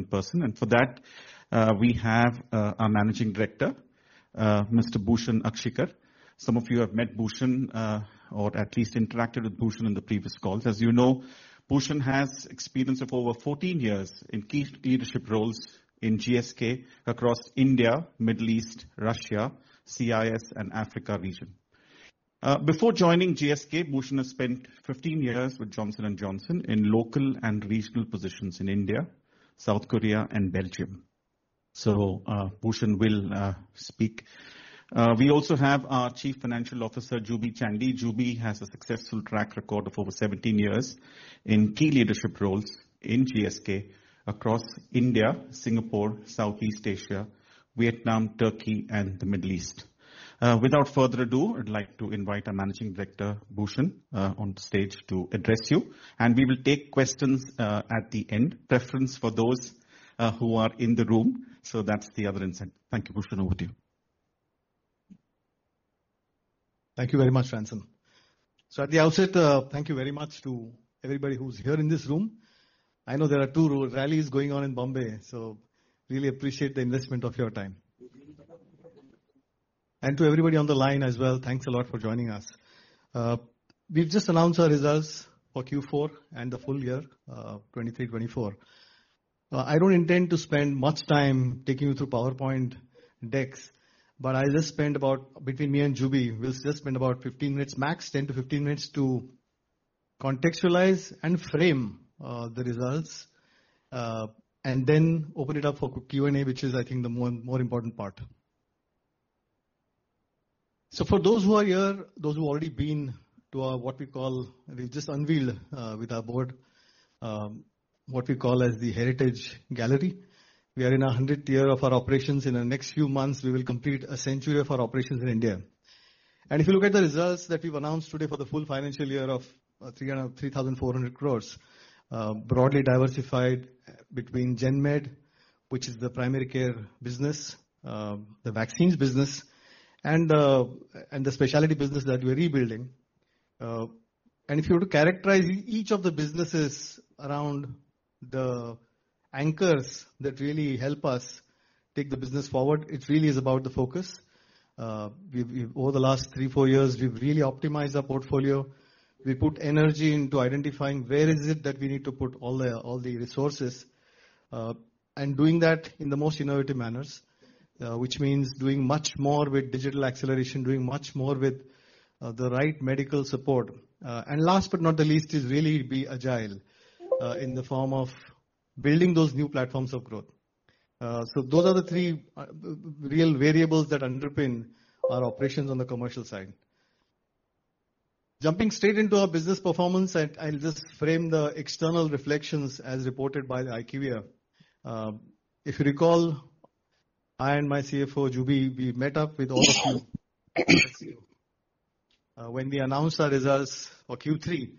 ...you in person, and for that, we have our Managing Director, Mr. Bhushan Akshikar. Some of you have met Bhushan, or at least interacted with Bhushan on the previous calls. As you know, Bhushan has experience of over 14 years in key leadership roles in GSK across India, Middle East, Russia, CIS, and Africa region. Before joining GSK, Bhushan has spent 15 years with Johnson & Johnson in local and regional positions in India, South Korea, and Belgium. So, Bhushan will speak. We also have our Chief Financial Officer, Juby Chandy. Juby has a successful track record of over 17 years in key leadership roles in GSK across India, Singapore, Southeast Asia, Vietnam, Turkey, and the Middle East. Without further ado, I'd like to invite our Managing Director, Bhushan, on stage to address you, and we will take questions at the end. Preference for those who are in the room, so that's the other insight. Thank you. Bhushan, over to you. Thank you very much, Ransom. So at the outset, thank you very much to everybody who's here in this room. I know there are 2 rallies going on in Bombay, so really appreciate the investment of your time. And to everybody on the line as well, thanks a lot for joining us. We've just announced our results for Q4 and the full year, 2023, 2024. I don't intend to spend much time taking you through PowerPoint decks, but I'll just spend about, between me and Jubi, we'll just spend about 15 minutes, max 10-15 minutes to contextualize and frame, the results, and then open it up for Q&A, which is, I think, the more, more important part. So for those who are here, those who have already been to our, what we call... We've just unveiled with our board what we call as the Heritage Gallery. We are in our hundredth year of our operations. In the next few months, we will complete a century of our operations in India. And if you look at the results that we've announced today for the full financial year of 303,400 crores, broadly diversified between GenMed, which is the primary care business, the vaccines business, and the specialty business that we're rebuilding. And if you were to characterize each of the businesses around the anchors that really help us take the business forward, it really is about the focus. Over the last three, four years, we've really optimized our portfolio. We put energy into identifying where is it that we need to put all the, all the resources, and doing that in the most innovative manners, which means doing much more with digital acceleration, doing much more with, the right medical support. And last but not the least, is really be agile, in the form of building those new platforms of growth. So those are the three, real variables that underpin our operations on the commercial side. Jumping straight into our business performance, and I'll just frame the external reflections as reported by the IQVIA. If you recall, I and my CFO, Juby, we met up with all of you, when we announced our results for Q3,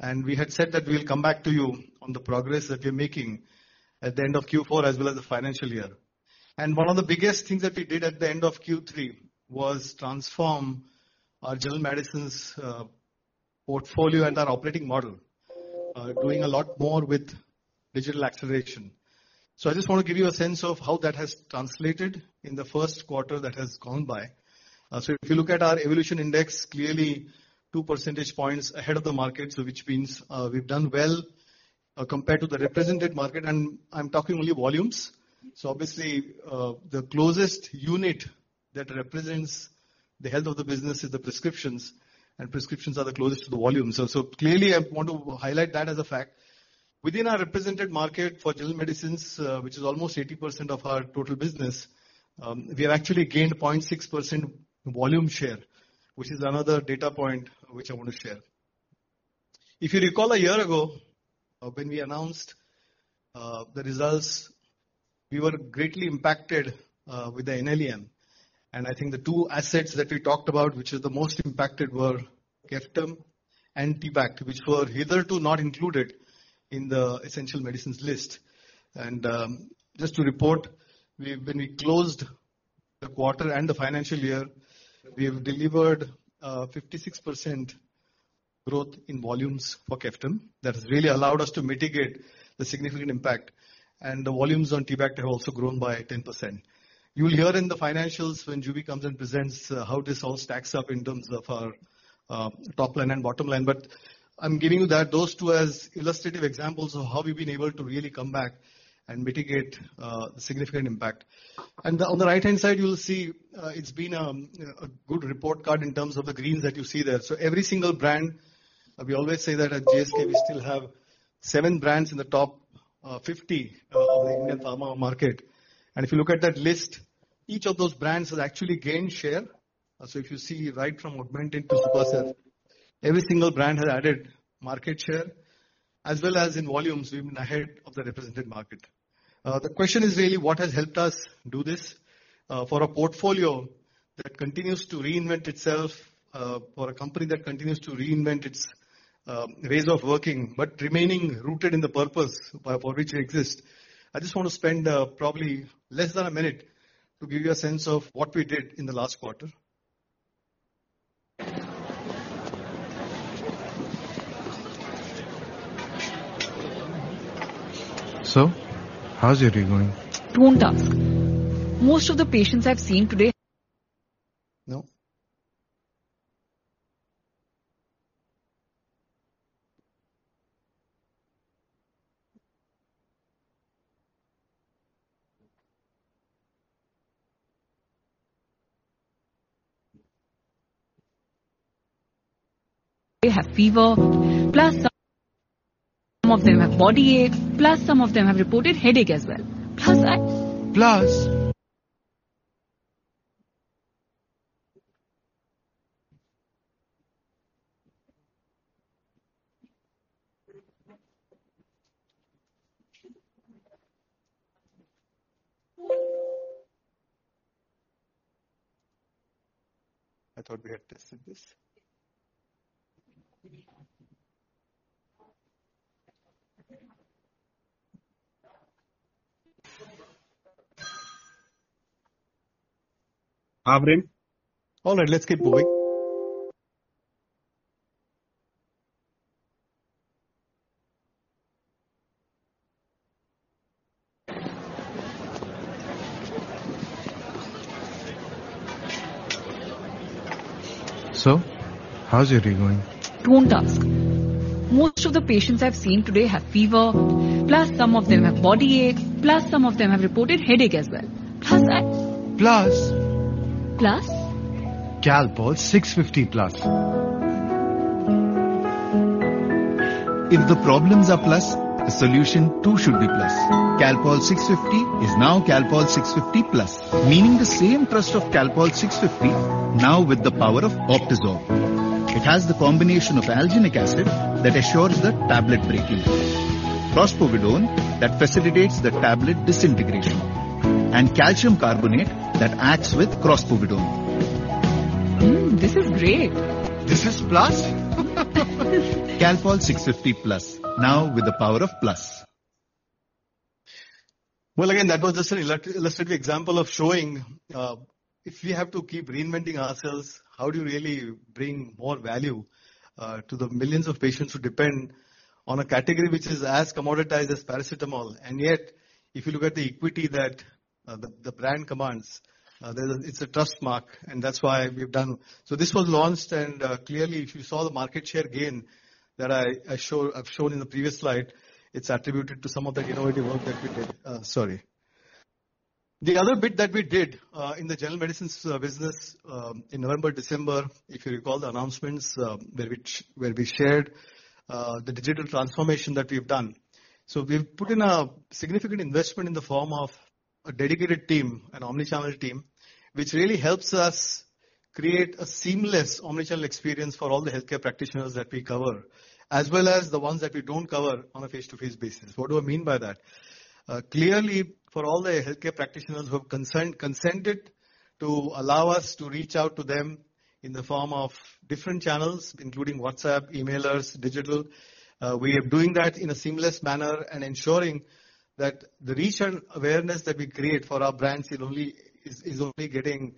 and we had said that we'll come back to you on the progress that we're making at the end of Q4, as well as the financial year. One of the biggest things that we did at the end of Q3 was transform our general medicines portfolio and our operating model, doing a lot more with digital acceleration. I just want to give you a sense of how that has translated in the first quarter that has gone by. If you look at our evolution index, clearly 2 percentage points ahead of the market, so which means, we've done well, compared to the represented market, and I'm talking only volumes. So obviously, the closest unit that represents the health of the business is the prescriptions, and prescriptions are the closest to the volumes. So clearly, I want to highlight that as a fact. Within our represented market for general medicines, which is almost 80% of our total business, we have actually gained 0.6% volume share, which is another data point which I want to share. If you recall, a year ago, when we announced the results, we were greatly impacted with the NLEM. I think the two assets that we talked about, which is the most impacted, were Ceftumand T-Bact, which were hitherto not included in the essential medicines list. Just to report, we've, when we closed the quarter and the financial year, we have delivered 56% growth in volumes for Ceftum. That has really allowed us to mitigate the significant impact, and the volumes on T-Bact have also grown by 10%. You will hear in the financials when Juby comes and presents how this all stacks up in terms of our top line and bottom line. But I'm giving you that, those two, as illustrative examples of how we've been able to really come back and mitigate the significant impact. And on the right-hand side, you'll see it's been a good report card in terms of the green that you see there. So every single brand, we always say that at GSK, we still have seven brands in the top 50 of the Indian pharma market. And if you look at that list, each of those brands has actually gained share. So if you see right from Augmentin to Synflorix, every single brand has added market share as well as in volumes, we've been ahead of the represented market. The question is really, what has helped us do this? For a portfolio that continues to reinvent itself, for a company that continues to reinvent its ways of working, but remaining rooted in the purpose by, for which it exists. I just want to spend probably less than a minute to give you a sense of what we did in the last quarter.... So, how's your day going? Don't ask. Most of the patients I've seen today- No? have fever, plus some of them have body aches, plus some of them have reported headache as well. Plus, I- Plus? I thought we had tested this. Abhinav? All right, let's keep going. So, how's your day going? Don't ask. Most of the patients I've seen today have fever, plus some of them have body aches, plus some of them have reported headache as well. Plus, I- Plus... Plus? Calpol 650 Plus. If the problems are plus, the solution too should be plus. Calpol 650 is now Calpol 650 Plus, meaning the same trust of Calpol 650 now with the power of Optizorb. It has the combination of alginic acid that assures the tablet breaking, crospovidone that facilitates the tablet disintegration, and calcium carbonate that acts with crospovidone. Hmm, this is great! This is plus. Calpol 650 Plus, now with the power of plus. Well, again, that was just an illustrative example of showing, if we have to keep reinventing ourselves, how do you really bring more value to the millions of patients who depend on a category which is as commoditized as paracetamol? And yet, if you look at the equity that the brand commands, there's—it's a trust mark, and that's why we've done. So this was launched, and clearly, if you saw the market share gain that I've shown in the previous slide, it's attributed to some of the innovative work that we did. Sorry. The other bit that we did in the general medicines business in November, December, if you recall the announcements, where we shared the digital transformation that we've done. So we've put in a significant investment in the form of a dedicated team, an omni-channel team, which really helps us create a seamless omni-channel experience for all the healthcare practitioners that we cover, as well as the ones that we don't cover on a face-to-face basis. What do I mean by that? Clearly, for all the healthcare practitioners who have concerned-consented to allow us to reach out to them in the form of different channels, including WhatsApp, emailers, digital, we are doing that in a seamless manner and ensuring that the reach and awareness that we create for our brands is only getting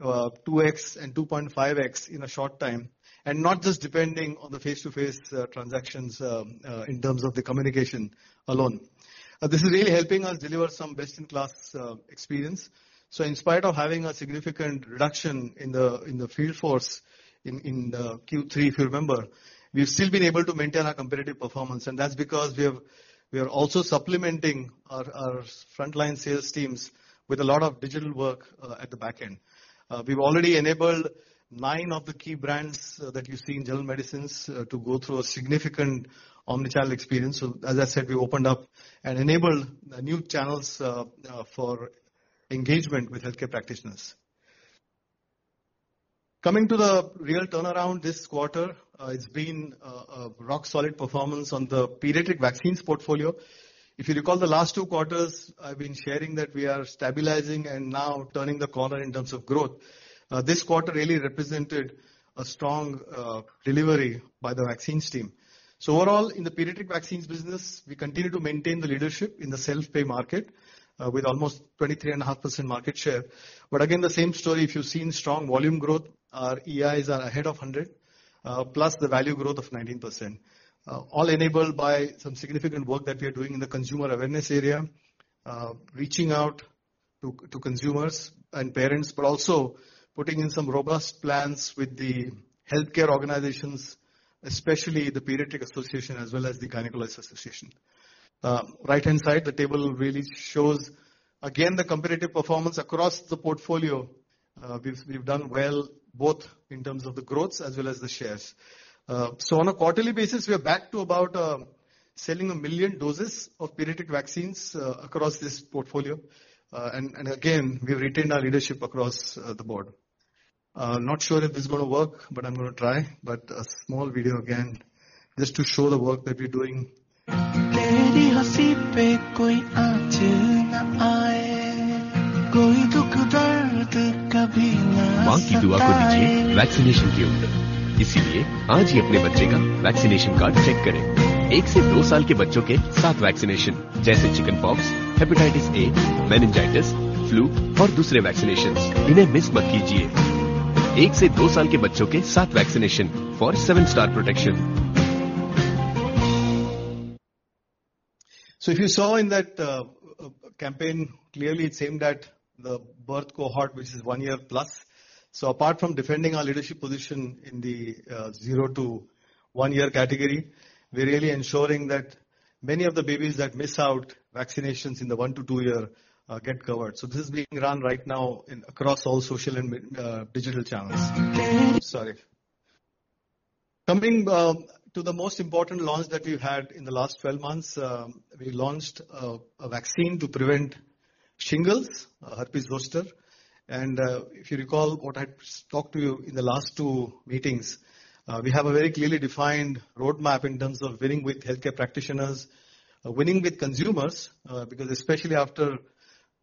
2x and 2.5x in a short time, and not just depending on the face-to-face transactions, in terms of the communication alone. This is really helping us deliver some best-in-class experience. So in spite of having a significant reduction in the field force in the Q3, if you remember, we've still been able to maintain our competitive performance, and that's because we have, we are also supplementing our frontline sales teams with a lot of digital work at the back end. We've already enabled nine of the key brands that you see in general medicines to go through a significant omni-channel experience. So as I said, we opened up and enabled the new channels for engagement with healthcare practitioners. Coming to the real turnaround this quarter, it's been a rock-solid performance on the pediatric vaccines portfolio. If you recall, the last two quarters, I've been sharing that we are stabilizing and now turning the corner in terms of growth. This quarter really represented a strong delivery by the vaccines team. So overall, in the pediatric vaccines business, we continue to maintain the leadership in the self-pay market with almost 23.5% market share. But again, the same story, if you've seen strong volume growth, our EIs are ahead of 100, plus the value growth of 19%. All enabled by some significant work that we are doing in the consumer awareness area, reaching out to consumers and parents, but also putting in some robust plans with the healthcare organizations, especially the Pediatric Association as well as the Gynecologists Association. Right-hand side, the table really shows again the competitive performance across the portfolio. We've done well both in terms of the growth as well as the shares. So on a quarterly basis, we are back to about, selling 1 million doses of pediatric vaccines, across this portfolio. And again, we've retained our leadership across the board. Not sure if this is going to work, but I'm going to try. But a small video again, just to show the work that we're doing. Vaccination. Vaccination card, check it.... One- to two-year-old children with seven vaccinations, such as chickenpox, hepatitis A, meningitis, flu, and other vaccinations. Do not miss them. One- to two-year-old children with seven vaccinations for seven-star protection. So if you saw in that campaign, clearly it's aimed at the birth cohort, which is one year plus. So apart from defending our leadership position in the zero to one year category, we're really ensuring that many of the babies that miss out vaccinations in the one to two year get covered. So this is being run right now across all social and digital channels. Coming to the most important launch that we've had in the last 12 months, we launched a vaccine to prevent shingles, herpes zoster. And if you recall what I talked to you in the last two meetings, we have a very clearly defined roadmap in terms of winning with healthcare practitioners, winning with consumers, because especially after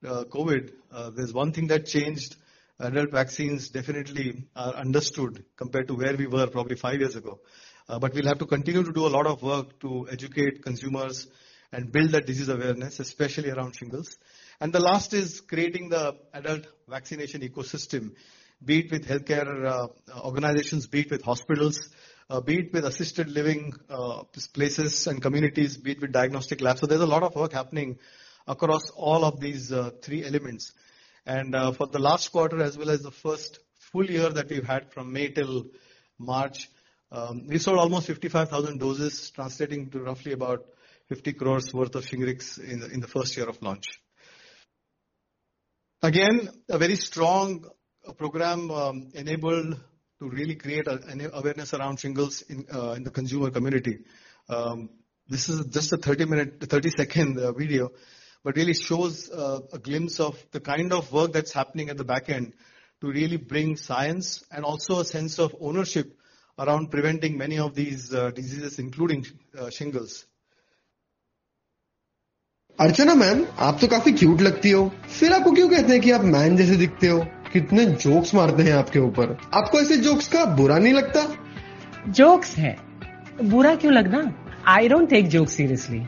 COVID, there's one thing that changed. Adult vaccines definitely are understood compared to where we were probably 5 years ago. But we'll have to continue to do a lot of work to educate consumers and build that disease awareness, especially around shingles. And the last is creating the adult vaccination ecosystem, be it with healthcare organizations, be it with hospitals, be it with assisted living places and communities, be it with diagnostic labs. So there's a lot of work happening across all of these three elements. And, for the last quarter, as well as the first full year that we've had from May till March, we saw almost 55,000 doses, translating to roughly about 50 crore worth of Shingrix in the first year of launch. Again, a very strong program, enabled to really create an awareness around shingles in the consumer community. This is just a 30-minute, 30-second video, but really shows a glimpse of the kind of work that's happening at the back end to really bring science and also a sense of ownership around preventing many of these diseases, including shingles. Archana ma'am, you look very cute. So why do they say that you look like a ma'am? They make so many jokes on you. Don't you feel bad about such jokes? They are jokes. Why feel bad? I don't take jokes seriously,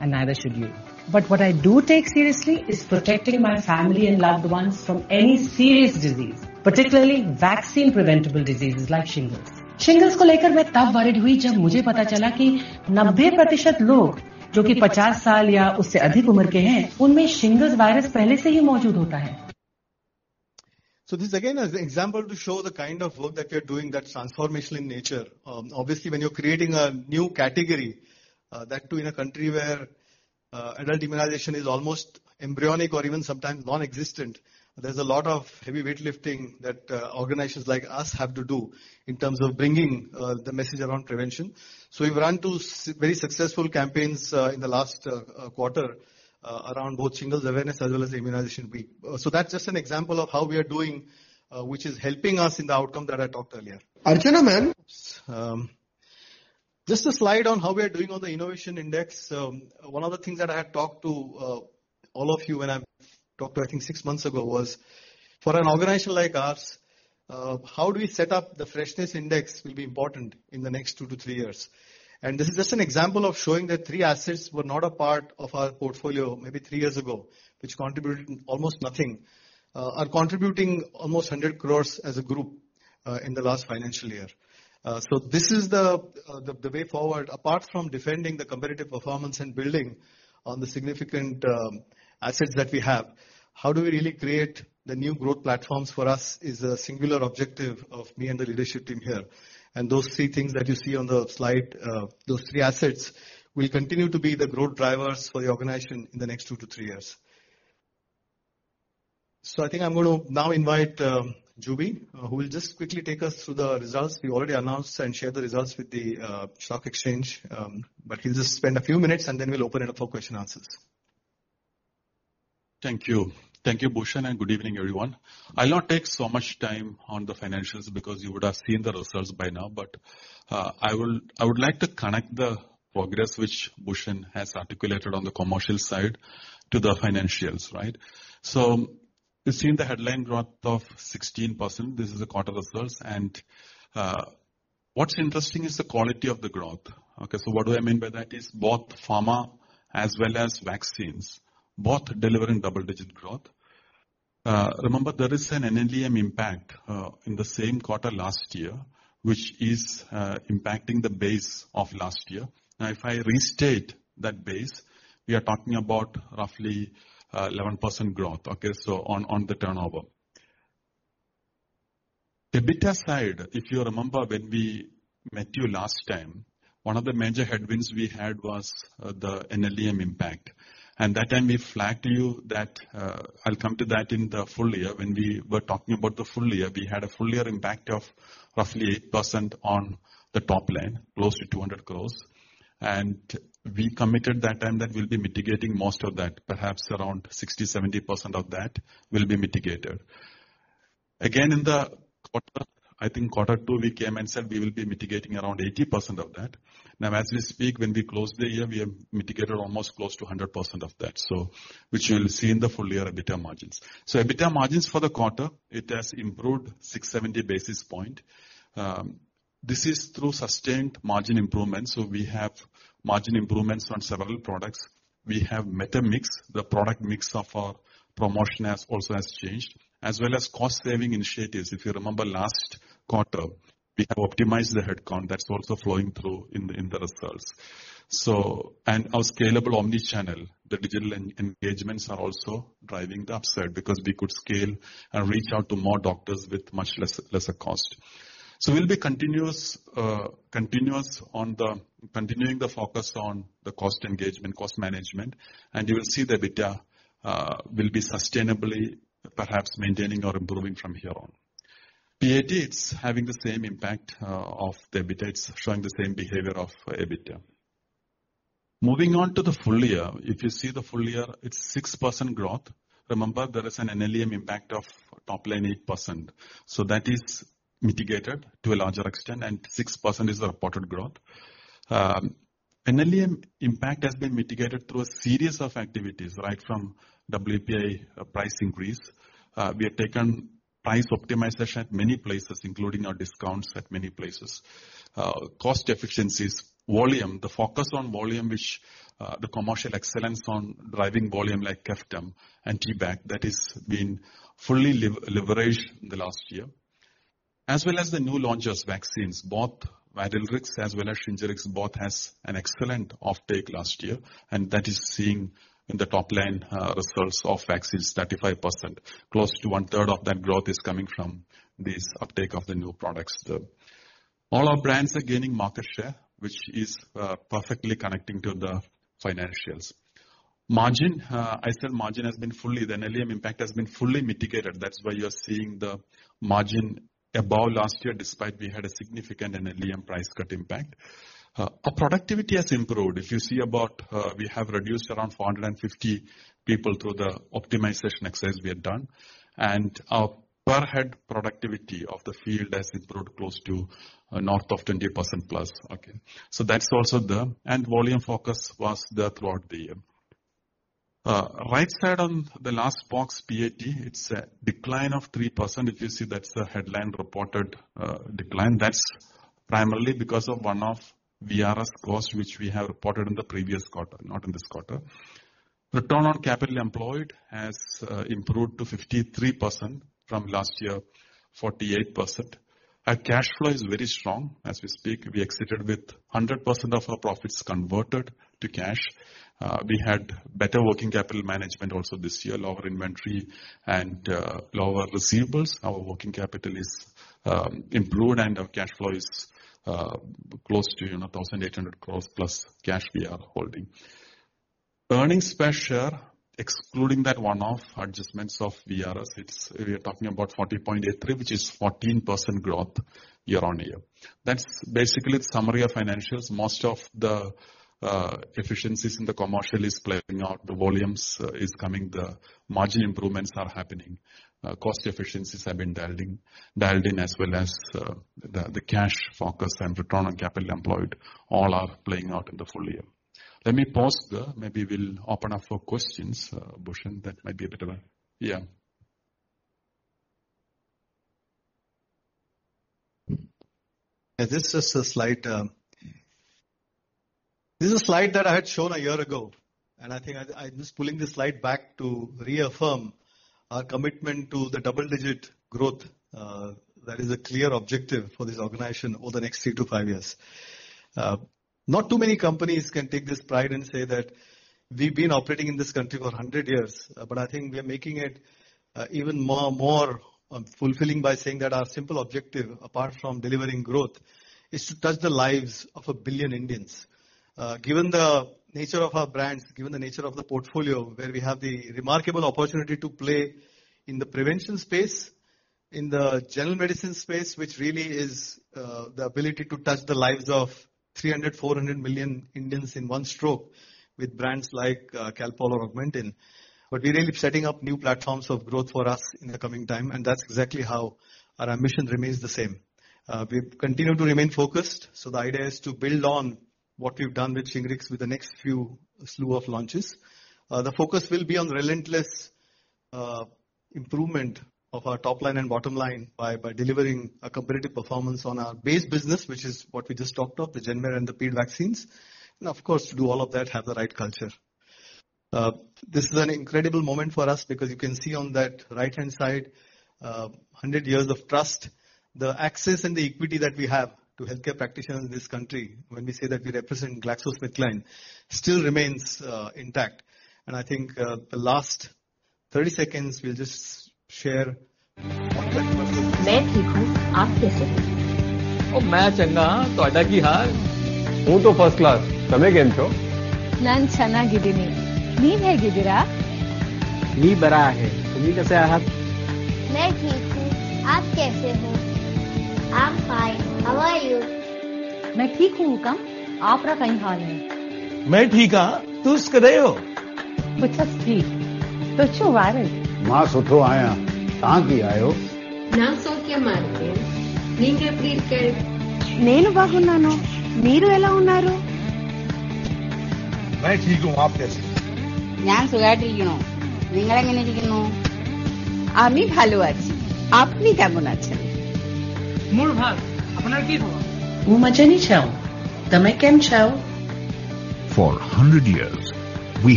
and neither should you. But what I do take seriously is protecting my family and loved ones from any serious disease, particularly vaccine preventable diseases like shingles. I became worried about shingles when I learned that 90% of people who are 50 or older already have the shingles virus. So this, again, is an example to show the kind of work that we are doing that's transformational in nature. Obviously, when you're creating a new category, that too, in a country where adult immunization is almost embryonic or even sometimes non-existent, there's a lot of heavy weightlifting that organizations like us have to do in terms of bringing the message around prevention. So we've run two very successful campaigns in the last quarter around both shingles awareness as well as immunization week. So that's just an example of how we are doing, which is helping us in the outcome that I talked earlier. Archana ma'am- Just a slide on how we are doing on the innovation index. One of the things that I had talked to all of you when I talked to, I think 6 months ago, was for an organization like ours, how do we set up the freshness index will be important in the next 2-3 years. This is just an example of showing that 3 assets were not a part of our portfolio maybe 3 years ago, which contributed almost nothing, are contributing almost 100 crores as a group, in the last financial year. So this is the way forward, apart from defending the competitive performance and building on the significant assets that we have. How do we really create the new growth platforms for us is a singular objective of me and the leadership team here. Those three things that you see on the slide, those three assets will continue to be the growth drivers for the organization in the next 2-3 years. I think I'm going to now invite Julie, who will just quickly take us through the results. We already announced and shared the results with the stock exchange, but he'll just spend a few minutes, and then we'll open it up for question and answers. Thank you. Thank you, Bhushan, and good evening, everyone. I'll not take so much time on the financials because you would have seen the results by now, but I will, I would like to connect the progress which Bhushan has articulated on the commercial side to the financials, right? So you've seen the headline growth of 16%. This is the quarter results, and what's interesting is the quality of the growth. Okay, so what do I mean by that is both pharma as well as vaccines, both delivering double-digit growth. Remember, there is an NLEM impact in the same quarter last year, which is impacting the base of last year. Now, if I restate that base, we are talking about roughly 11% growth, okay, so on the turnover. EBITDA side, if you remember, when we met you last time, one of the major headwinds we had was the NLEM impact. That time we flagged you that I'll come to that in the full year. When we were talking about the full year, we had a full year impact of roughly 8% on the top line, close to 200 crore. We committed that time that we'll be mitigating most of that. Perhaps around 60%-70% of that will be mitigated. Again, in the quarter, I think quarter two, we came and said we will be mitigating around 80% of that. Now, as we speak, when we close the year, we have mitigated almost close to 100% of that, so which you'll see in the full year EBITDA margins. So EBITDA margins for the quarter, it has improved 670 basis points. This is through sustained margin improvements, so we have margin improvements on several products. We have better mix. The product mix of our promotion has also changed, as well as cost-saving initiatives. If you remember last quarter, we have optimized the headcount that's also flowing through in the results. So our scalable omni-channel, the digital engagements are also driving the upside, because we could scale and reach out to more doctors with much less, lesser cost. So we'll be continuing the focus on the cost engagement, cost management, and you will see the EBITDA will be sustainably, perhaps maintaining or improving from here on. PAT, it's having the same impact of the EBITDA. It's showing the same behavior of EBITDA. Moving on to the full year, if you see the full year, it's 6% growth. Remember, there is an NLEM impact of top line 8%, so that is mitigated to a larger extent, and 6% is the reported growth. NLEM impact has been mitigated through a series of activities, right from WPI price increase. We have taken price optimization at many places, including our discounts at many places. Cost efficiencies, volume, the focus on volume, which, the commercial excellence on driving volume like Keftab and TBAC, that is been fully leveraged in the last year, as well as the new launches vaccines, both Nimenrix as well as Shingrix, both has an excellent offtake last year, and that is seeing in the top line, results of vaccines 35%. Close to one-third of that growth is coming from this uptake of the new products. All our brands are gaining market share, which is perfectly connecting to the financials. Margin, I said margin has been fully, the NLEM impact has been fully mitigated. That's why you're seeing the margin above last year, despite we had a significant NLEM price cut impact. Our productivity has improved. If you see about, we have reduced around 450 people through the optimization exercise we have done, and our per head productivity of the field has improved close to north of 20% plus. Okay. So that's also there, and volume focus was there throughout the year. Right side on the last box, PAT, it's a decline of 3%. If you see that's the headline reported decline. That's primarily because of one-off VRS cost, which we have reported in the previous quarter, not in this quarter. Return on capital employed has improved to 53% from last year, 48%. Our cash flow is very strong. As we speak, we exited with 100% of our profits converted to cash. We had better working capital management also this year, lower inventory and lower receivables. Our working capital is improved and our cash flow is close to, you know, 1,800 crore plus cash we are holding. Earnings per share, excluding that one-off adjustments of VRS, it's we are talking about 40.83, which is 14% growth year-on-year. That's basically the summary of financials. Most of the, efficiencies in the commercial is playing out, the volumes is coming, the margin improvements are happening, cost efficiencies have been dialed in, dialed in as well as, the, the cash focus and return on capital employed, all are playing out in the full year. Let me pause there. Maybe we'll open up for questions, Bhushan. That might be a better way. Yeah. This is a slide that I had shown a year ago, and I think I'm just pulling this slide back to reaffirm our commitment to the double-digit growth. That is a clear objective for this organization over the next three to five years. Not too many companies can take this pride and say that we've been operating in this country for 100 years, but I think we are making it even more fulfilling by saying that our SiMPL objective, apart from delivering growth, is to touch the lives of 1 billion Indians. Given the nature of our brands, given the nature of the portfolio, where we have the remarkable opportunity to play in the prevention space, in the general medicine space, which really is the ability to touch the lives of 300-400 million Indians in one stroke with brands like Calpol or Augmentin. But we're really setting up new platforms of growth for us in the coming time, and that's exactly how our ambition remains the same. We've continued to remain focused, so the idea is to build on what we've done with Shingrix with the next few slew of launches. The focus will be on relentless improvement of our top line and bottom line by delivering a competitive performance on our base business, which is what we just talked of, the pharma and the ped vaccines, and of course, to do all of that, have the right culture. This is an incredible moment for us because you can see on that right-hand side, 100 years of trust. The access and the equity that we have to healthcare practitioners in this country, when we say that we represent GlaxoSmithKline, still remains intact. And I think, the last 30 seconds, we'll just share- Thank you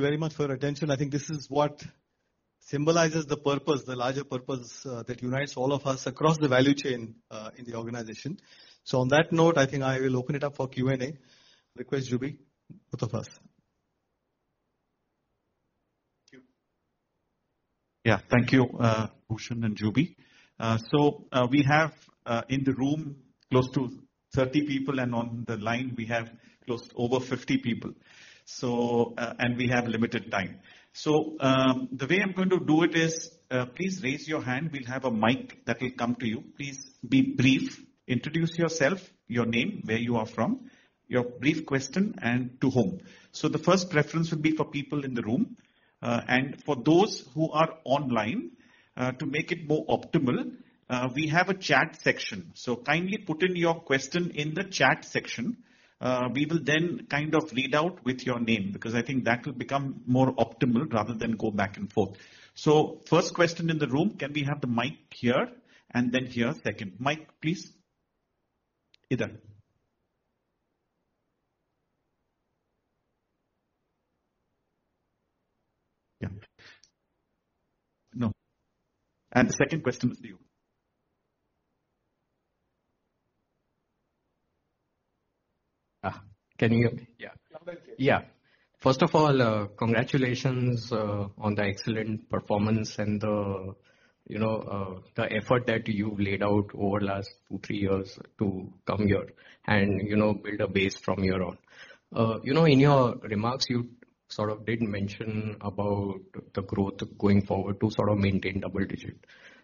very much for your attention. I think this is what symbolizes the purpose, the larger purpose that unites all of us across the value chain in the organization. So on that note, I think I will open it up for Q&A. Request Ruby, with the first. Thank you. Yeah. Thank you, Bhushan and Jubi. So, we have in the room close to 30 people, and on the line we have close to over 50 people. So, and we have limited time. So, the way I'm going to do it is, please raise your hand. We'll have a mic that will come to you. Please be brief. Introduce yourself, your name, where you are from, your brief question, and to whom. So the first preference would be for people in the room, and for those who are online, to make it more optimal, we have a chat section. So kindly put in your question in the chat section. We will then kind of read out with your name, because I think that will become more optimal rather than go back and forth. So first question in the room. Can we have the mic here, and then here? Second. Mic, please, either. Yeah. No. And the second question is for you. Can you hear me? Yeah. Yeah. Yeah. First of all, congratulations on the excellent performance and the, you know, the effort that you've laid out over the last 2-3 years to come here and, you know, build a base from your own. You know, in your remarks, you sort of did mention about the growth going forward to sort of maintain double-digit.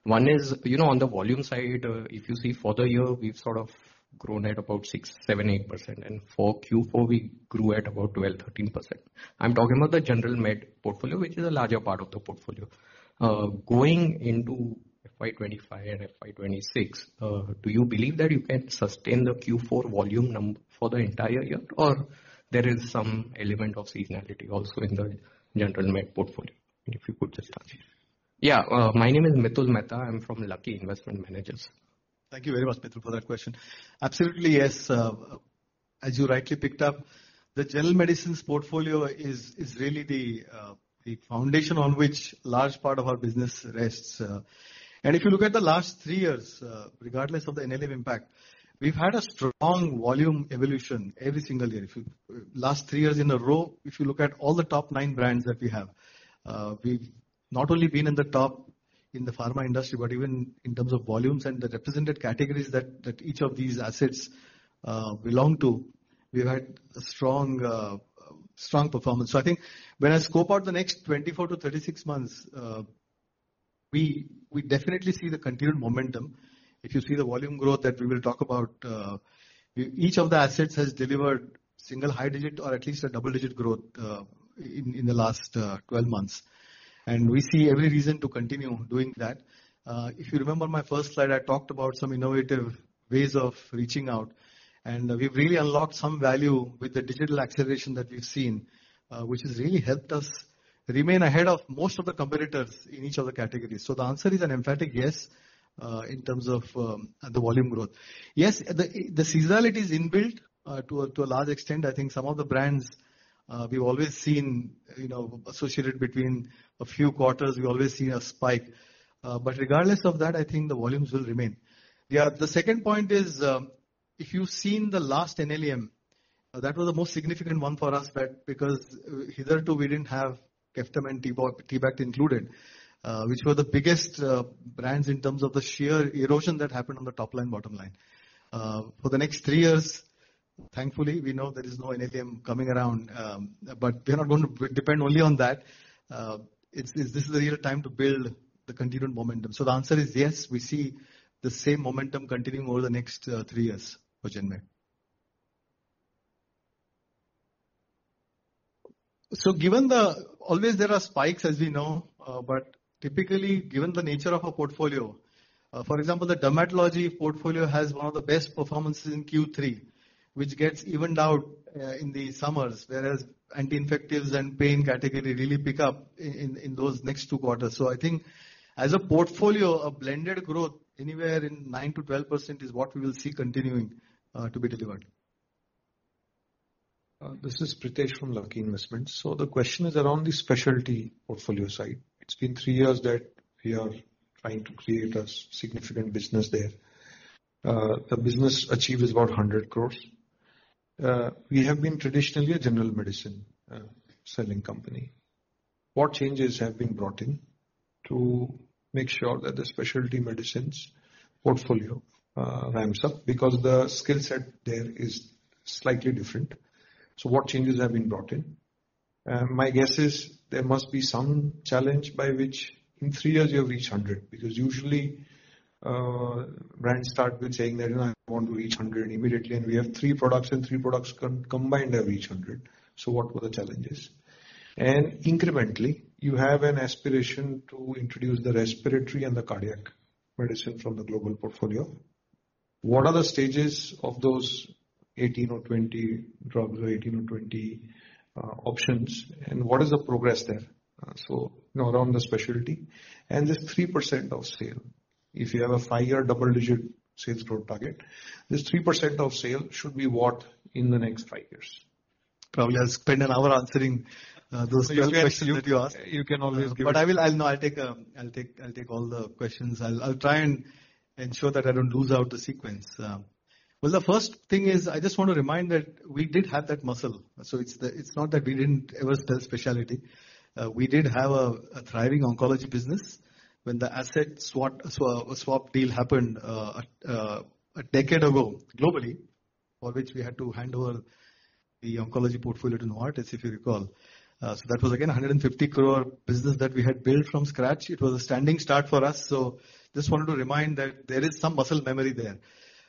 One is, you know, on the volume side, if you see for the year, we've sort of grown at about 6%-8%, and for Q4, we grew at about 12%-13%. I'm talking about the general med portfolio, which is a larger part of the portfolio. Going into FY 2025 and FY 2026, do you believe that you can sustain the Q4 volume num- for the entire year, or there is some element of seasonality also in the general med portfolio? If you could just answer. Yeah. My name is Mitul Mehta. I'm from Lucky Investment Managers. Thank you very much, Mitul, for that question. Absolutely, yes. As you rightly picked up, the general medicines portfolio is, is really the, the foundation on which large part of our business rests. And if you look at the last three years, regardless of the NLEM impact, we've had a strong volume evolution every single year. If you, last three years in a row, if you look at all the top nine brands that we have, we've not only been in the top in the pharma industry, but even in terms of volumes and the represented categories that, that each of these assets, belong to, we've had a strong, strong performance. So I think when I scope out the next 24-36 months, we, we definitely see the continued momentum. If you see the volume growth that we will talk about, each of the assets has delivered single high digit or at least a double-digit growth in the last 12 months, and we see every reason to continue doing that. If you remember my first slide, I talked about some innovative ways of reaching out, and we've really unlocked some value with the digital acceleration that we've seen, which has really helped us remain ahead of most of the competitors in each of the categories. So the answer is an emphatic yes in terms of the volume growth. Yes, the seasonality is inbuilt to a large extent. I think some of the brands, we've always seen, you know, associated between a few quarters, we've always seen a spike. Regardless of that, I think the volumes will remain. Yeah, the second point is, if you've seen the last NLEM, that was the most significant one for us, but because hitherto we didn't have Keftab and T-Bact included, which were the biggest brands in terms of the sheer erosion that happened on the top line, bottom line. For the next three years, thankfully, we know there is no NLEM coming around, but we are not going to depend only on that. This is a real time to build the continued momentum. The answer is yes, we see the same momentum continuing over the next three years for Genmed. Given the... Always there are spikes, as we know, but typically, given the nature of our portfolio, for example, the dermatology portfolio has one of the best performances in Q3, which gets evened out, in the summers, whereas anti-infectives and pain category really pick up in those next two quarters. So I think as a portfolio, a blended growth anywhere in 9%-12% is what we will see continuing, to be delivered. This is Pritesh from Lucky Investments. So the question is around the specialty portfolio side. It's been three years that we are trying to create a significant business there. The business achievement is about 100 crore. We have been traditionally a general medicine selling company. What changes have been brought in to make sure that the specialty medicines portfolio ramps up? Because the skill set there is slightly different. So what changes have been brought in? My guess is there must be some challenge by which in three years you have reached 100 crore. Because usually, brands start with saying that, "I want to reach 100 crore immediately, and we have three products, and three products combined have reached 100 crore." So what were the challenges? And incrementally, you have an aspiration to introduce the respiratory and the cardiac medicine from the global portfolio. What are the stages of those 18 or 20 drugs, or 18 or 20, options, and what is the progress there? So, you know, around the specialty. This 3% of sale, if you have a 5-year double-digit sales growth target, this 3% of sale should be what in the next 5 years? Probably, I'll spend an hour answering those 12 questions that you asked. You can always give it. I'll take all the questions. I'll try and ensure that I don't lose out the sequence. Well, the first thing is, I just want to remind that we did have that muscle, so it's not that we didn't ever sell specialty. We did have a thriving oncology business when the asset swap deal happened, a decade ago, globally, for which we had to hand over the oncology portfolio to Novartis, if you recall. So that was again, 150 crore business that we had built from scratch. It was a standing start for us, so just wanted to remind that there is some muscle memory there.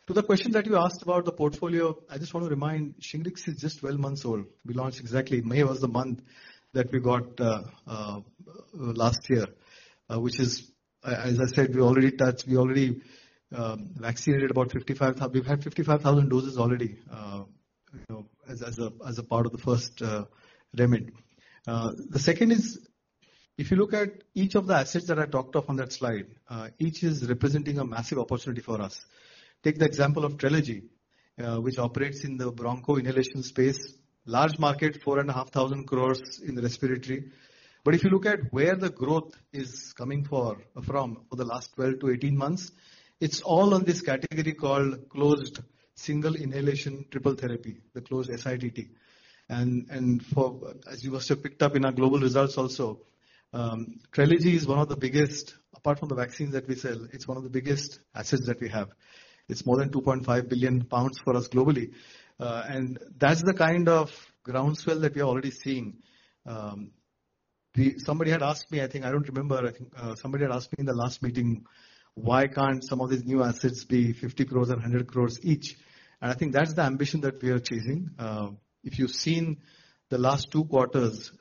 To the question that you asked about the portfolio, I just want to remind, Shingrix is just 12 months old. We launched exactly. May was the month that we got last year, which is, as I said, we already touched, we already vaccinated about 55,000 doses already, you know, as a part of the first remit. The second is, if you look at each of the assets that I talked about on that slide, each is representing a massive opportunity for us. Take the example of Trelegy, which operates in the broncho inhalation space. Large market, 4,500 crore in respiratory. But if you look at where the growth is coming for, from, for the last 12-18 months, it's all on this category called closed single inhalation triple therapy, the closed SITT. As you also picked up in our global results also, Trelegy is one of the biggest, apart from the vaccines that we sell, it's one of the biggest assets that we have. It's more than 2.5 billion pounds for us globally. And that's the kind of groundswell that we are already seeing. Somebody had asked me, I think, I don't remember, I think, somebody had asked me in the last meeting: "Why can't some of these new assets be 50 crore or 100 crore each?" And I think that's the ambition that we are achieving. If you've seen the last two quarters,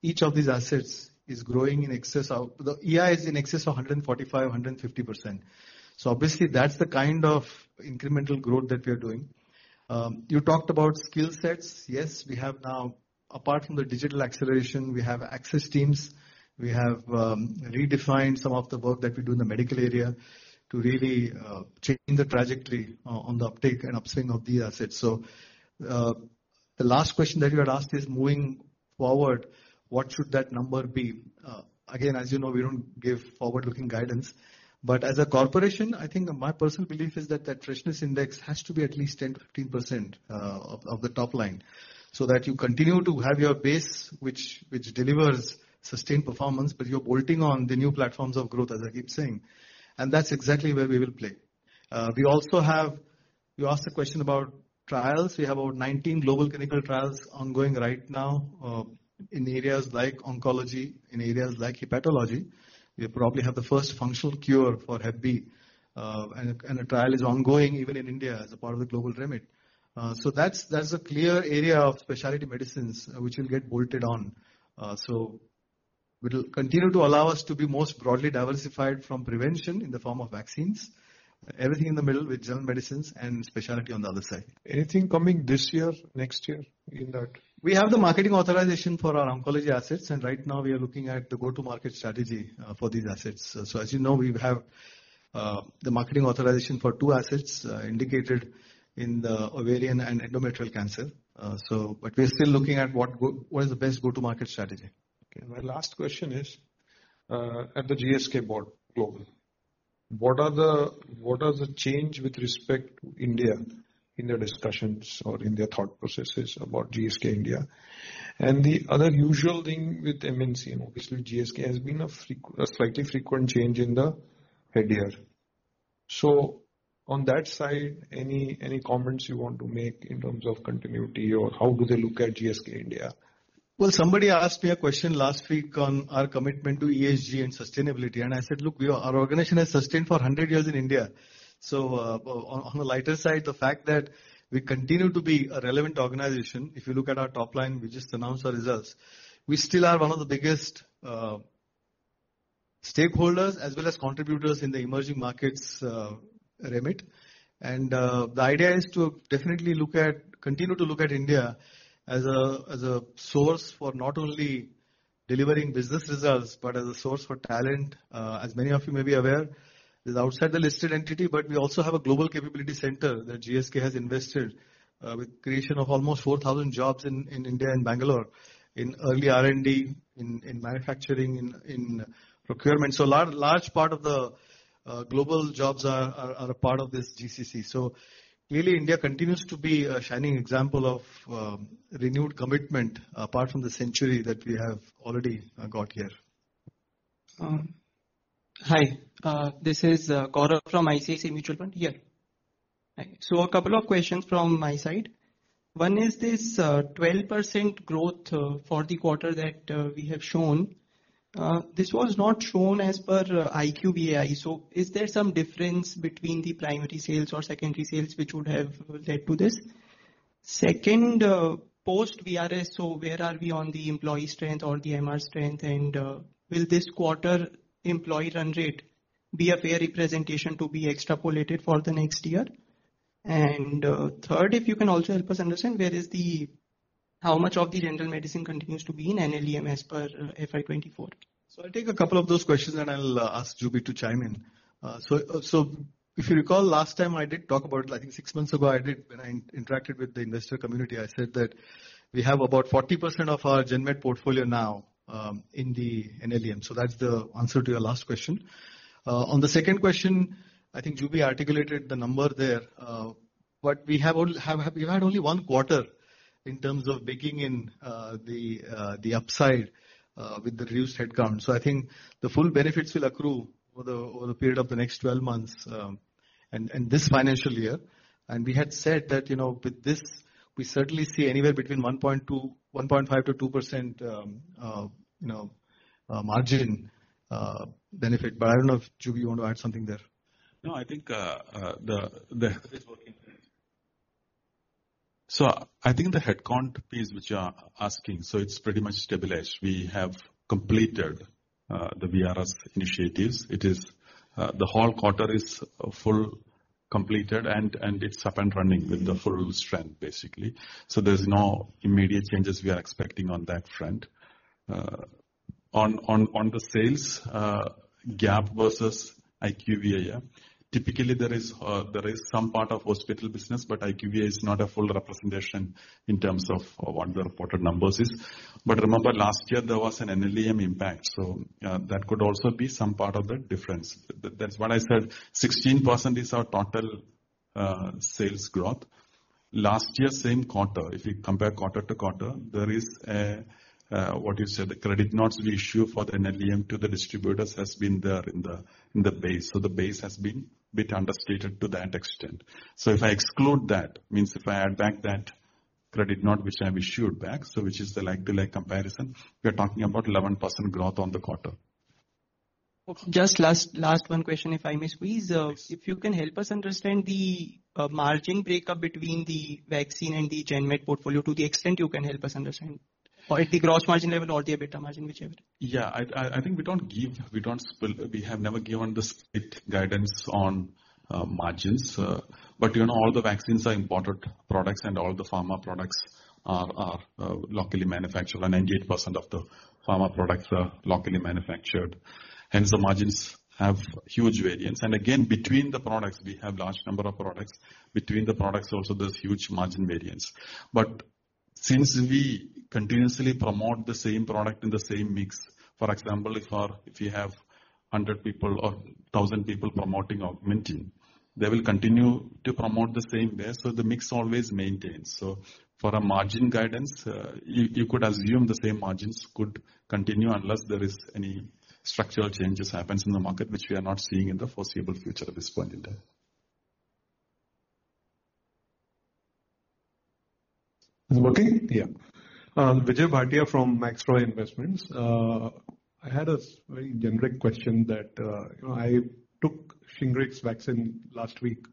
each of these assets is growing in excess of. The EI is in excess of 145%-150%. So obviously, that's the kind of incremental growth that we are doing. You talked about skill sets. Yes, we have now, apart from the digital acceleration, we have access teams. We have redefined some of the work that we do in the medical area to really change the trajectory on the uptake and upswing of the assets. So, the last question that you had asked is, moving forward, what should that number be? Again, as you know, we don't give forward-looking guidance. But as a corporation, I think my personal belief is that that freshness index has to be at least 10%-15% of the top line, so that you continue to have your base, which delivers sustained performance, but you're bolting on the new platforms of growth, as I keep saying. And that's exactly where we will play. We also have... You asked a question about trials. We have over 19 global clinical trials ongoing right now, in areas like oncology, in areas like hepatology. We probably have the first functional cure for hep B, and a trial is ongoing even in India as a part of the global remit. So that's a clear area of specialty medicines which will get bolted on. So it'll continue to allow us to be most broadly diversified from prevention in the form of vaccines, everything in the middle with general medicines and specialty on the other side. Anything coming this year, next year in that? We have the marketing authorization for our oncology assets, and right now we are looking at the go-to-market strategy for these assets. So as you know, we have the marketing authorization for two assets indicated in the ovarian and endometrial cancer. But we're still looking at what is the best go-to-market strategy. Okay. My last question is, at the GSK board global, what are the change with respect to India in their discussions or in their thought processes about GSK India? And the other usual thing with MNC, and obviously GSK, has been a slightly frequent change in the head here. So on that side, any comments you want to make in terms of continuity or how do they look at GSK India? Well, somebody asked me a question last week on our commitment to ESG and sustainability, and I said: Look, we are, our organization has sustained for 100 years in India. So, on the lighter side, the fact that we continue to be a relevant organization, if you look at our top line, we just announced our results. We still are one of the biggest stakeholders as well as contributors in the emerging markets remit. And, the idea is to definitely continue to look at India as a source for not only delivering business results, but as a source for talent. As many of you may be aware, it is outside the listed entity, but we also have a global capability center that GSK has invested with creation of almost 4,000 jobs in India and Bangalore, in early R&D, in manufacturing, in procurement. So large part of the global jobs are a part of this GCC. So clearly, India continues to be a shining example of renewed commitment, apart from the century that we have already got here.... Hi, this is Carl from ICICI Mutual Fund here. Hi. So a couple of questions from my side. One is this 12% growth for the quarter that we have shown. This was not shown as per IQVIA. So is there some difference between the primary sales or secondary sales which would have led to this? Second, post VRS, so where are we on the employee strength or the MR strength, and will this quarter employee run rate be a fair representation to be extrapolated for the next year? Third, if you can also help us understand how much of the general medicine continues to be in NLEM as per FY 2024. So I'll take a couple of those questions, and I'll ask Juby to chime in. So if you recall, last time I did talk about it, I think 6 months ago, I did when I interacted with the investor community, I said that we have about 40% of our gen med portfolio now in the NLEM. So that's the answer to your last question. On the second question, I think Juby articulated the number there, but we've had only 1 quarter in terms of baking in the upside with the reduced headcount. So I think the full benefits will accrue over the period of the next 12 months, and this financial year. We had said that, you know, with this, we certainly see anywhere between 1.2, 1.5 to 2%, you know, margin benefit. But I don't know if, Julie, you want to add something there? No, I think, So I think the headcount piece which you are asking, so it's pretty much stabilized. We have completed the VRS initiatives. It is the whole quarter is full completed, and it's up and running with the full strength, basically. So there's no immediate changes we are expecting on that front. On the sales gap versus IQVIA, yeah. Typically, there is some part of hospital business, but IQVIA is not a full representation in terms of what the reported numbers is. But remember, last year there was an NLEM impact, so that could also be some part of the difference. That's why I said 16% is our total sales growth. Last year, same quarter, if you compare quarter to quarter, there is a what you said, a credit note issue for the NLEM to the distributors has been there in the base. So the base has been a bit understated to that extent. So if I exclude that, means if I add back that credit note which I have issued back, so which is the like-to-like comparison, we are talking about 11% growth on the quarter. Just last one question, if I may squeeze? Yes. If you can help us understand the margin breakup between the vaccine and the gen med portfolio, to the extent you can help us understand, or at the gross margin level or the EBITDA margin, whichever? Yeah, I think we don't give—we have never given the split guidance on margins. But you know, all the vaccines are imported products, and all the pharma products are locally manufactured, and 98% of the pharma products are locally manufactured. Hence, the margins have huge variance. And again, between the products, we have large number of products. Between the products also, there's huge margin variance. But since we continuously promote the same product in the same mix, for example, if we have 100 people or 1,000 people promoting Augmentin, they will continue to promote the same way, so the mix always maintains. For a margin guidance, you could assume the same margins could continue unless there is any structural changes happens in the market, which we are not seeing in the foreseeable future at this point in time. Is it working? Yeah. Vijay Bhatia from Max India Investments. I had a very generic question that, you know, I took Shingrix vaccine last week,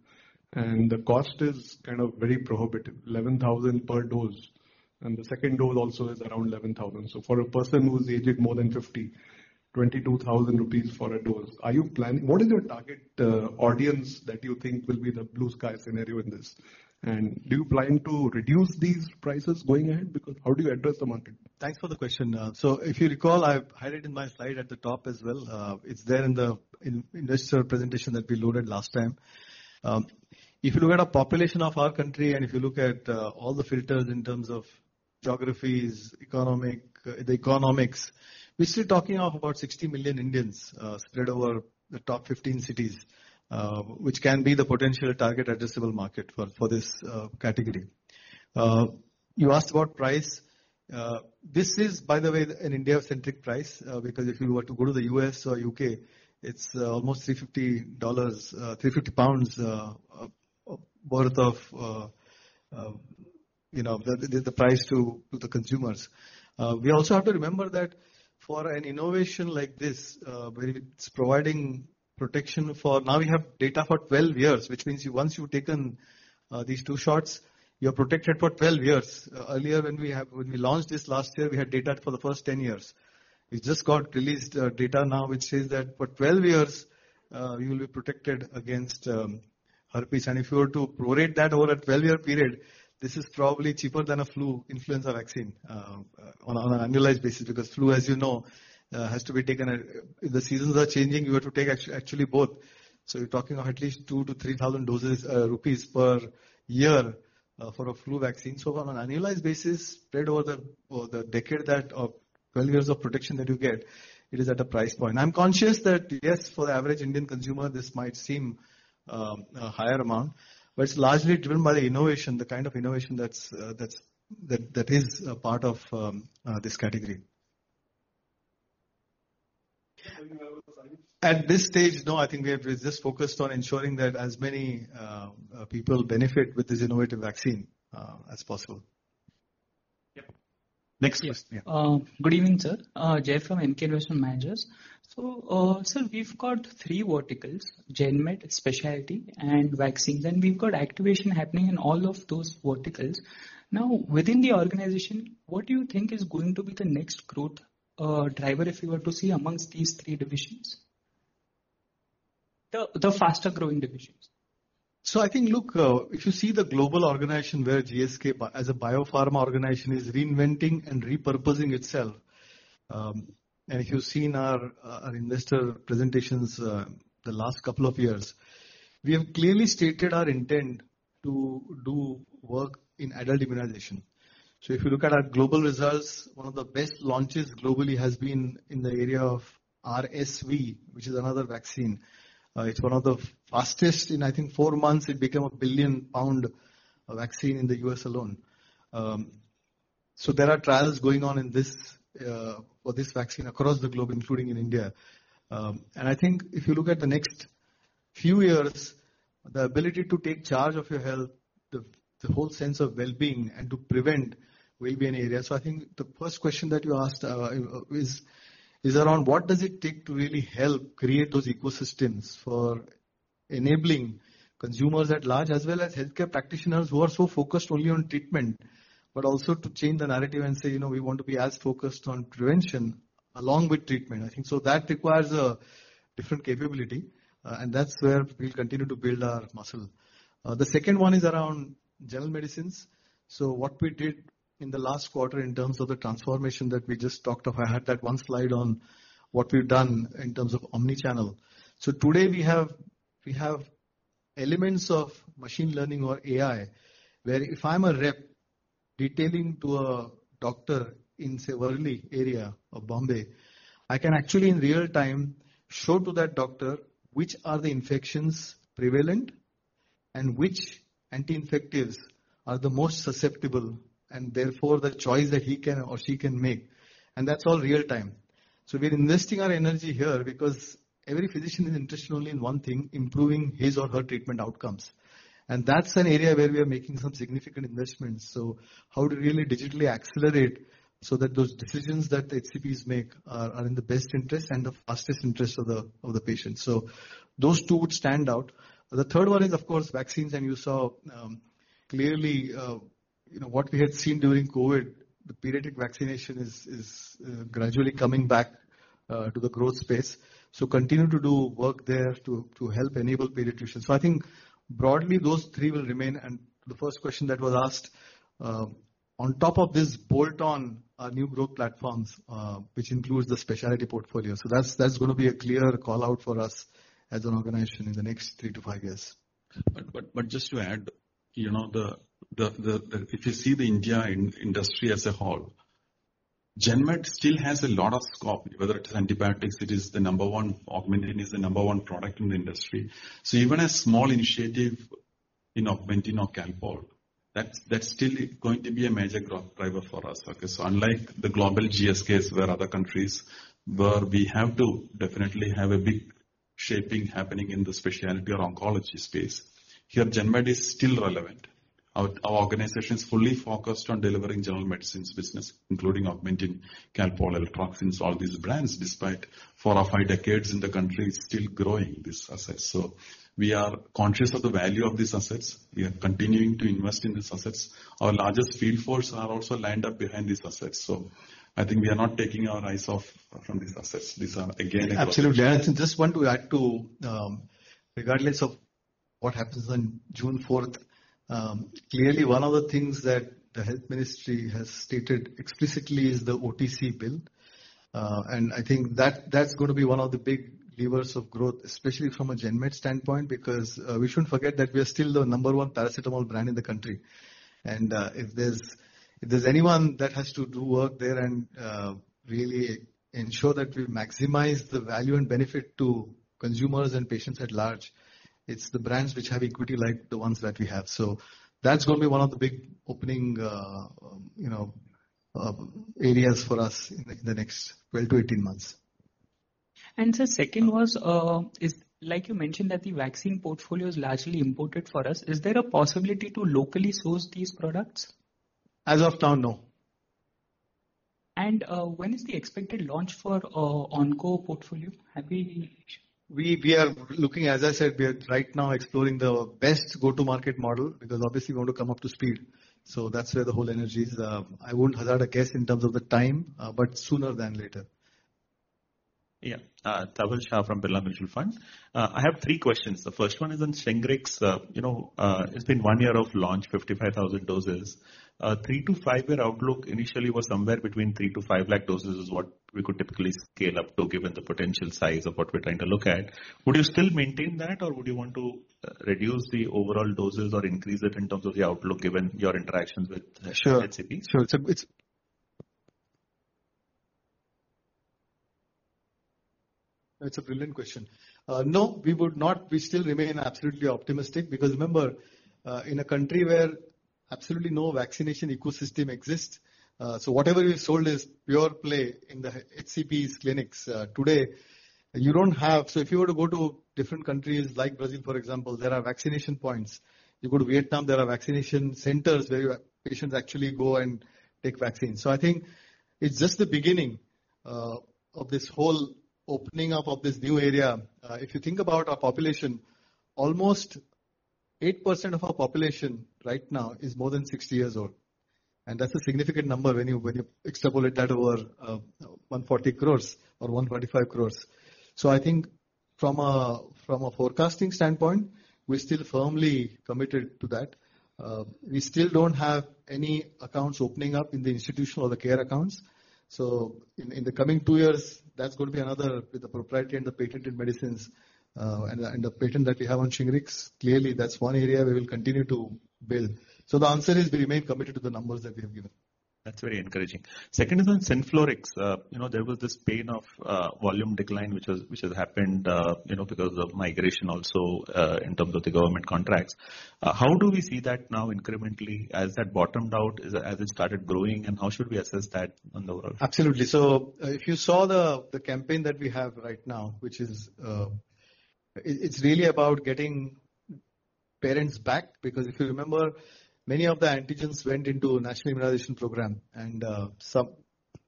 and the cost is kind of very prohibitive, 11,000 per dose, and the second dose also is around 11,000. So for a person who's aged more than fifty, 22,000 rupees for a dose. Are you planning... What is your target audience that you think will be the blue sky scenario in this? And do you plan to reduce these prices going ahead? Because how do you address the market? Thanks for the question. So if you recall, I've had it in my slide at the top as well. It's there in the investor presentation that we loaded last time. If you look at the population of our country, and if you look at all the filters in terms of geographies, economic, the economics, we're still talking of about 60 million Indians spread over the top 15 cities, which can be the potential target addressable market for this category. You asked about price. This is, by the way, an India-centric price, because if you were to go to the U.S. or U.K., it's almost $350, 350 pounds worth of, you know, the price to the consumers. We also have to remember that for an innovation like this, where it's providing protection for—now we have data for 12 years, which means once you've taken these two shots, you're protected for 12 years. Earlier when we launched this last year, we had data for the first 10 years. We just got released data now, which says that for 12 years, you'll be protected against herpes. If you were to pro rate that over a 12-year period, this is probably cheaper than a flu influenza vaccine on an annualized basis. Because flu, as you know, has to be taken, the seasons are changing, you have to take actually both. You're talking of at least 2,000-3,000 doses, INR per year, for a flu vaccine. On an annualized basis, spread over the decade of 12 years of protection that you get, it is at a price point. I'm conscious that, yes, for the average Indian consumer, this might seem a higher amount, but it's largely driven by the innovation, the kind of innovation that is a part of this category. And, Sahil? At this stage, no, I think we are just focused on ensuring that as many people benefit with this innovative vaccine as possible. Yep. Next question. Yeah. Yes. Good evening, sir. Jay from MK Investment Managers. So, sir, we've got three verticals: Genmed, Specialty, and Vaccines, and we've got activation happening in all of those verticals. Now, within the organization, what do you think is going to be the next growth driver, if you were to see amongst these three divisions? The faster growing divisions. So I think, look, if you see the global organization, where GSK as a biopharma organization, is reinventing and repurposing itself. And if you've seen our, our investor presentations, the last couple of years, we have clearly stated our intent to do work in adult immunization. So if you look at our global results, one of the best launches globally has been in the area of RSV, which is another vaccine. It's one of the fastest, in I think 4 months, it became a 1 billion pound vaccine in the U.S. alone. So there are trials going on in this, for this vaccine across the globe, including in India. And I think if you look at the next few years, the ability to take charge of your health, the whole sense of well-being and to prevent, will be an area. So I think the first question that you asked is around what does it take to really help create those ecosystems for enabling consumers at large, as well as healthcare practitioners who are so focused only on treatment, but also to change the narrative and say, "You know, we want to be as focused on prevention along with treatment?" I think so that requires a different capability, and that's where we'll continue to build our muscle. The second one is around general medicines. So what we did in the last quarter in terms of the transformation that we just talked of, I had that one slide on what we've done in terms of omni-channel. So today, we have elements of machine learning or AI, where if I'm a rep detailing to a doctor in, say, Worli area of Bombay, I can actually, in real time, show to that doctor which are the infections prevalent and which anti-infectives are the most susceptible, and therefore, the choice that he can or she can make, and that's all real time. So we're investing our energy here because every physician is interested only in one thing, improving his or her treatment outcomes. And that's an area where we are making some significant investments. So how to really digitally accelerate so that those decisions that the HCPs make are in the best interest and the fastest interest of the patient. So those two would stand out. The third one is, of course, vaccines. And you saw, clearly, you know, what we had seen during COVID, the periodic vaccination is gradually coming back to the growth space. So continue to do work there to help enable pediatricians. So I think broadly, those three will remain. And the first question that was asked, on top of this bolt-on our new growth platforms, which includes the specialty portfolio. So that's gonna be a clear call-out for us as an organization in the next three to five years. But just to add, you know, if you see the Indian industry as a whole, Genmed still has a lot of scope, whether it's antibiotics, it is the number one, Augmentin is the number one product in the industry. So even a small initiative in Augmentin or Calpol, that's still going to be a major growth driver for us. Okay, so unlike the global GSK's, where other countries, where we have to definitely have a big shaping happening in the specialty or oncology space, here, Genmed is still relevant. Our organization is fully focused on delivering general medicines business, including Augmentin, Calpol, Eltroxin, all these brands, despite four or five decades in the country, is still growing this asset. So we are conscious of the value of these assets. We are continuing to invest in these assets. Our largest field force are also lined up behind these assets. I think we are not taking our eyes off from these assets. These are, again- Absolutely. I just want to add, too, regardless of what happens on June fourth, clearly, one of the things that the health ministry has stated explicitly is the OTC bill. And I think that, that's gonna be one of the big levers of growth, especially from a Genmed standpoint, because, we shouldn't forget that we are still the number one paracetamol brand in the country. And, if there's anyone that has to do work there and, really ensure that we maximize the value and benefit to consumers and patients at large, it's the brands which have equity like the ones that we have. So that's gonna be one of the big opening, you know, areas for us in the next 12-18 months. Sir, second was, is like you mentioned, that the vaccine portfolio is largely imported for us. Is there a possibility to locally source these products? As of now, no. When is the expected launch for Onco portfolio? Have we- We are looking... As I said, we are right now exploring the best go-to-market model, because obviously we want to come up to speed. So that's where the whole energy is. I won't hazard a guess in terms of the time, but sooner than later. Yeah. Dhaval Shah from Birla Mutual Fund. I have three questions. The first one is on Shingrix. You know, it's been one year of launch, 55,000 doses. 3-5-year outlook initially was somewhere between 3-5 lakh doses is what we could typically scale up to, given the potential size of what we're trying to look at. Would you still maintain that, or would you want to reduce the overall doses or increase it in terms of the outlook, given your interactions with HCPs?... That's a brilliant question. No, we would not. We still remain absolutely optimistic, because remember, in a country where absolutely no vaccination ecosystem exists, so whatever we've sold is pure play in the HCPs clinics. Today, you don't have. So if you were to go to different countries like Brazil, for example, there are vaccination points. You go to Vietnam, there are vaccination centers where your patients actually go and take vaccines. So I think it's just the beginning, of this whole opening up of this new area. If you think about our population, almost 8% of our population right now is more than 60 years old, and that's a significant number when you, when you extrapolate that over, 140 crores or 125 crores. So I think from a, from a forecasting standpoint, we're still firmly committed to that. We still don't have any accounts opening up in the institutional or the care accounts, so in the coming two years, that's going to be another, with the proprietary and the patented medicines, and the patent that we have on Shingrix, clearly, that's one area we will continue to build. So the answer is we remain committed to the numbers that we have given. That's very encouraging. Second is on Synflorix. You know, there was this pain of volume decline, which has, which has happened, you know, because of migration also, in terms of the government contracts. How do we see that now incrementally as that bottomed out, as it started growing, and how should we assess that on the world? Absolutely. So, if you saw the campaign that we have right now, which is... It's really about getting parents back, because if you remember, many of the antigens went into national immunization program, and some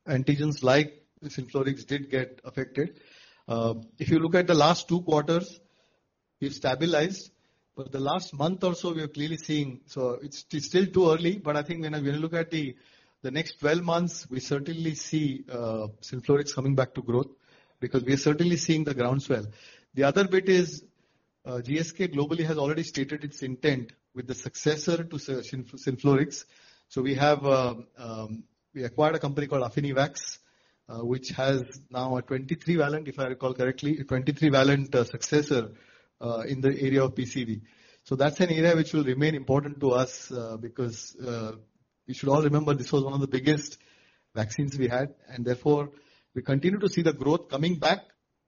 antigens, like the Synflorix, did get affected. If you look at the last two quarters, we've stabilized, but the last month or so, we are clearly seeing... So it's still too early, but I think when you look at the next twelve months, we certainly see Synflorix coming back to growth, because we are certainly seeing the groundswell. The other bit is, GSK globally has already stated its intent with the successor to Synflorix. So we have, we acquired a company called Affinivax, which has now a 23-valent, if I recall correctly, a 23-valent, successor, in the area of PCV. So that's an area which will remain important to us, because, you should all remember, this was one of the biggest vaccines we had, and therefore, we continue to see the growth coming back.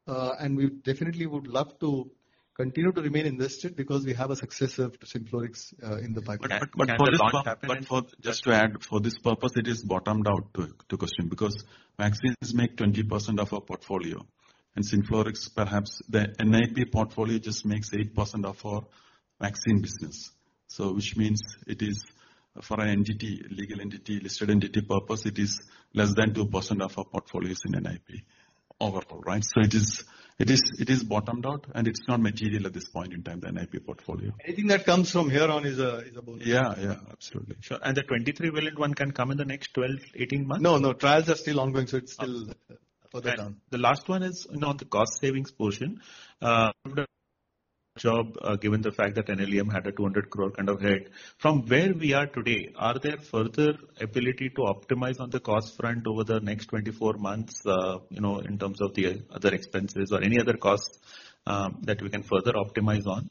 And we definitely would love to continue to remain invested, because we have a successor to Synflorix, in the pipeline. But for- But, just to add, for this purpose, it is bottomed out to question, because vaccines make 20% of our portfolio, and Synflorix, perhaps the NIP portfolio, just makes 8% of our vaccine business. So, which means it is for an entity, legal entity, listed entity purpose, it is less than 2% of our portfolio is in NIP overall, right? So it is bottomed out, and it's not material at this point in time, the NIP portfolio. Anything that comes from here on is a bonus. Yeah, yeah, absolutely. Sure. The 23-valent one can come in the next 12-18 months? No, no. Trials are still ongoing, so it's still further down. The last one is on the cost savings portion. Given the fact that NLEM had a 200 crore kind of hit. From where we are today, are there further ability to optimize on the cost front over the next 24 months, you know, in terms of the other expenses or any other costs that we can further optimize on?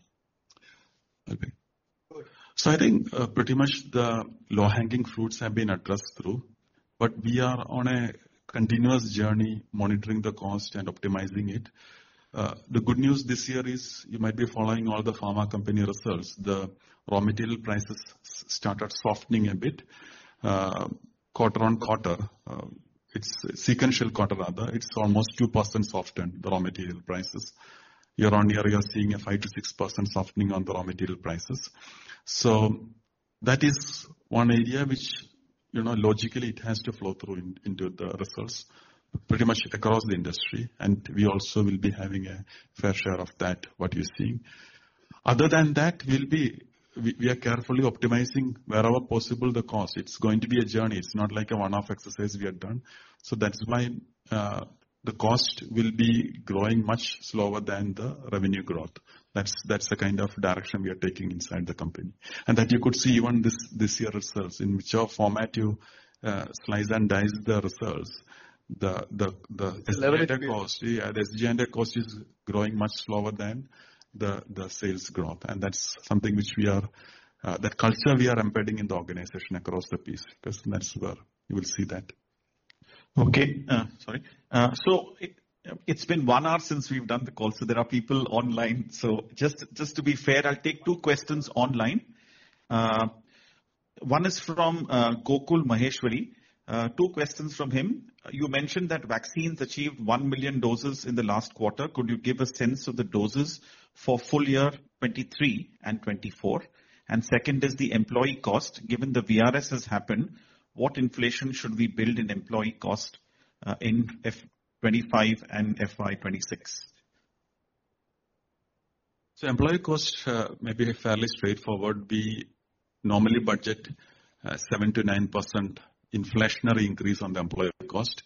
Okay. So I think pretty much the low-hanging fruits have been addressed through, but we are on a continuous journey, monitoring the cost and optimizing it. The good news this year is, you might be following all the pharma company results, the raw material prices started softening a bit, quarter-on-quarter. It's sequential quarter, rather. It's almost 2% softened, the raw material prices. Year-on-year, you are seeing a 5%-6% softening on the raw material prices. So that is one area which, you know, logically, it has to flow through, into the results, pretty much across the industry, and we also will be having a fair share of that, what you're seeing. Other than that, we'll be. We are carefully optimizing, wherever possible, the cost. It's going to be a journey. It's not like a one-off exercise we are done. So that's why, the cost will be growing much slower than the revenue growth. That's the kind of direction we are taking inside the company. And that you could see even this year results. In whichever format you slice and dice the results, the- It's elevated. -cost, yeah, the SG cost is growing much slower than the sales growth, and that's something which we are, that culture we are embedding in the organization across the piece, because that's where you will see that. Okay, sorry. So it’s been one hour since we’ve done the call, so there are people online. So just to be fair, I’ll take two questions online. One is from Gokul Maheshwari. Two questions from him. You mentioned that vaccines achieved 1 million doses in the last quarter. Could you give a sense of the doses for full year 2023 and 2024? And second is the employee cost. Given the VRS has happened, what inflation should we build in employee cost in FY 2025 and FY 2026? So employee costs may be fairly straightforward. We normally budget 7%-9% inflationary increase on the employee cost.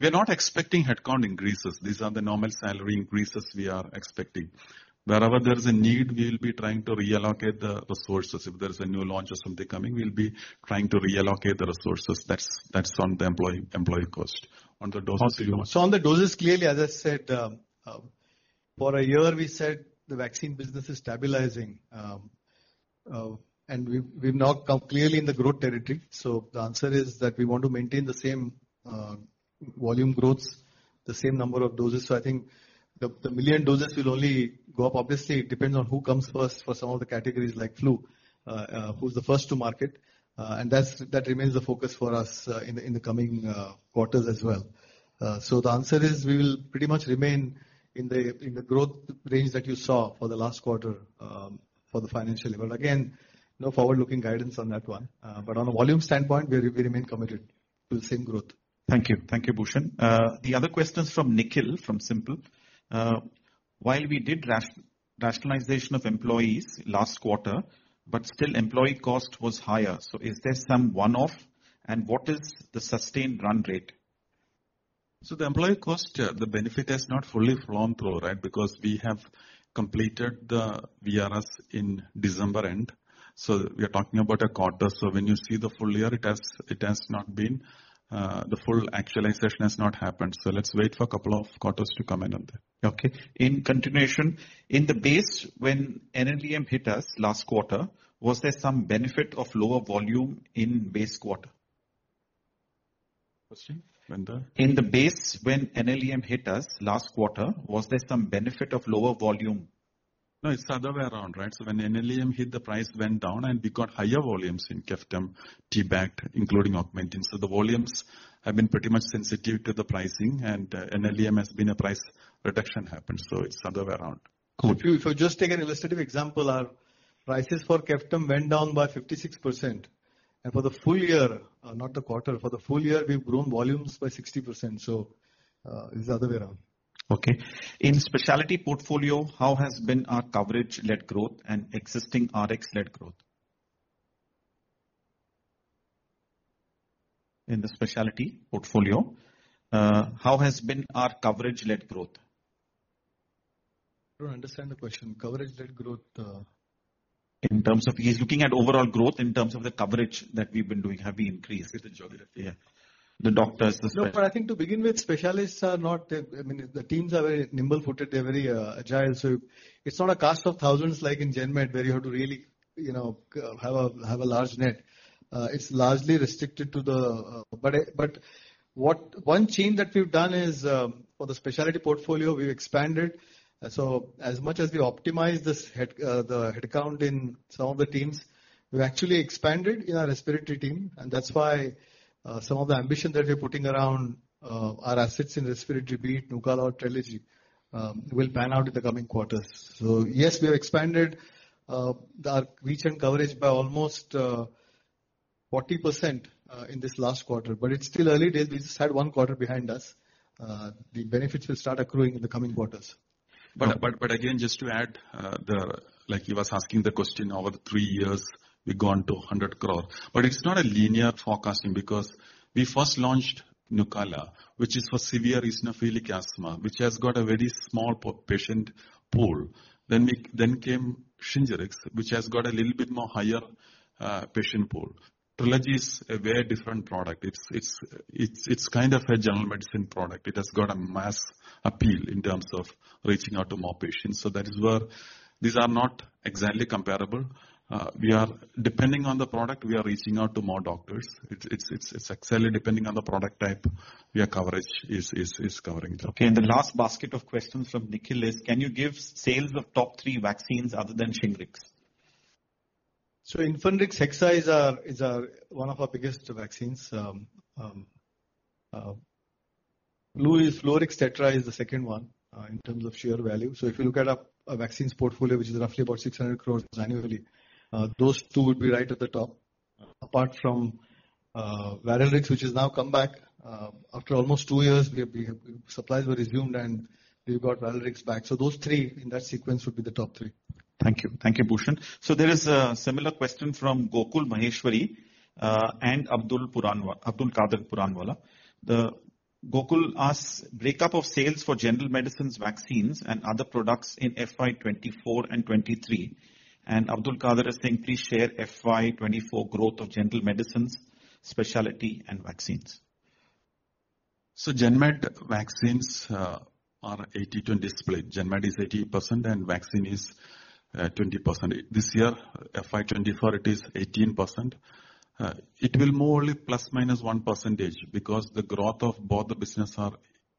We are not expecting headcount increases. These are the normal salary increases we are expecting. Wherever there is a need, we will be trying to reallocate the resources. If there is a new launch or something coming, we'll be trying to reallocate the resources. That's on the employee cost. On the doses- So on the doses, clearly, as I said, for a year, we said the vaccine business is stabilizing, and we've, we've now come clearly in the growth territory. So the answer is that we want to maintain the same, volume growths, the same number of doses. So I think the million doses will only go up. Obviously, it depends on who comes first for some of the categories like flu, who's the first to market, and that remains the focus for us, in the coming quarters as well. So the answer is, we will pretty much remain in the growth range that you saw for the last quarter, for the financial year. But again, no forward-looking guidance on that one. But on a volume standpoint, we remain committed to the same growth. Thank you. Thank you, Bhushan. The other question is from Nikhil, from Simple. While we did rationalization of employees last quarter, but still employee cost was higher, so is there some one-off, and what is the sustained run rate? So the employee cost, the benefit has not fully flown through, right? Because we have completed the VRS in December end, so we are talking about a quarter. So when you see the full year, it has, it has not been, the full actualization has not happened. So let's wait for a couple of quarters to comment on that. Okay. In continuation, in the base, when NLEM hit us last quarter, was there some benefit of lower volume in base quarter? Question, when the- In the base, when NLEM hit us last quarter, was there some benefit of lower volume? No, it's the other way around, right? So when NLEM hit, the price went down, and we got higher volumes in Keftab, T-Bact, including Augmentin. So the volumes have been pretty much sensitive to the pricing, and NLEM has been a price reduction happened, so it's the other way around. Cool. If you just take an illustrative example, our prices for Keftab went down by 56%. For the full year, not the quarter, for the full year, we've grown volumes by 60%. So, it's the other way around. Okay. In specialty portfolio, how has been our coverage-led growth and existing RX-led growth? In the specialty portfolio, how has been our coverage-led growth? I don't understand the question. Coverage-led growth. In terms of... He's looking at overall growth in terms of the coverage that we've been doing. Have we increased? With the geography, yeah. The doctors, the spec- No, but I think to begin with, specialists are not, I mean, the teams are very nimble-footed. They're very agile. So it's not a cast of thousands like in Genmed, where you have to really, you know, have a large net. It's largely restricted to the... But one change that we've done is, for the specialty portfolio, we've expanded. So as much as we optimize this head, the headcount in some of the teams, we've actually expanded in our respiratory team, and that's why, some of the ambition that we're putting around, our assets in respiratory, be it Nucala or Trelegy, will pan out in the coming quarters. So yes, we have expanded, our reach and coverage by almost 40%, in this last quarter. But it's still early days. We just had one quarter behind us. The benefits will start accruing in the coming quarters. But again, just to add, like he was asking the question, over the three years, we've gone to 100 crore. But it's not a linear forecasting, because we first launched Nucala, which is for severe eosinophilic asthma, which has got a very small patient pool. Then came Shingrix, which has got a little bit more higher patient pool. Trelegy is a very different product. It's kind of a general medicine product. It has got a mass appeal in terms of reaching out to more patients. So that is where these are not exactly comparable. We are, depending on the product, reaching out to more doctors. It's actually depending on the product type, where coverage is covering. Okay, and the last basket of questions from Nikhil is: Can you give sales of top three vaccines other than Shingrix? Infanrix Hexa is one of our biggest vaccines. Fluarix Tetra is the second one, in terms of sheer value. So if you look at our vaccines portfolio, which is roughly about 600 crore annually, those two would be right at the top, apart from Varilrix, which has now come back after almost two years. Supplies were resumed, and we've got Varilrix back. So those three in that sequence would be the top three. Thank you. Thank you, Bhushan. So there is a similar question from Gokul Maheshwari, and Abdul Puranwala, Abdul Kader Puranwala. Gokul asks: Breakup of sales for general medicines, vaccines, and other products in FY 2024 and 2023. And Abdul Kader is saying, Please share FY 2024 growth of general medicines, specialty, and vaccines. So Genmed vaccines are 80-20 split. Genmed is 80% and vaccine is 20%. This year, FY 2024, it is 18%. It will more only ±1%, because the growth of both the business are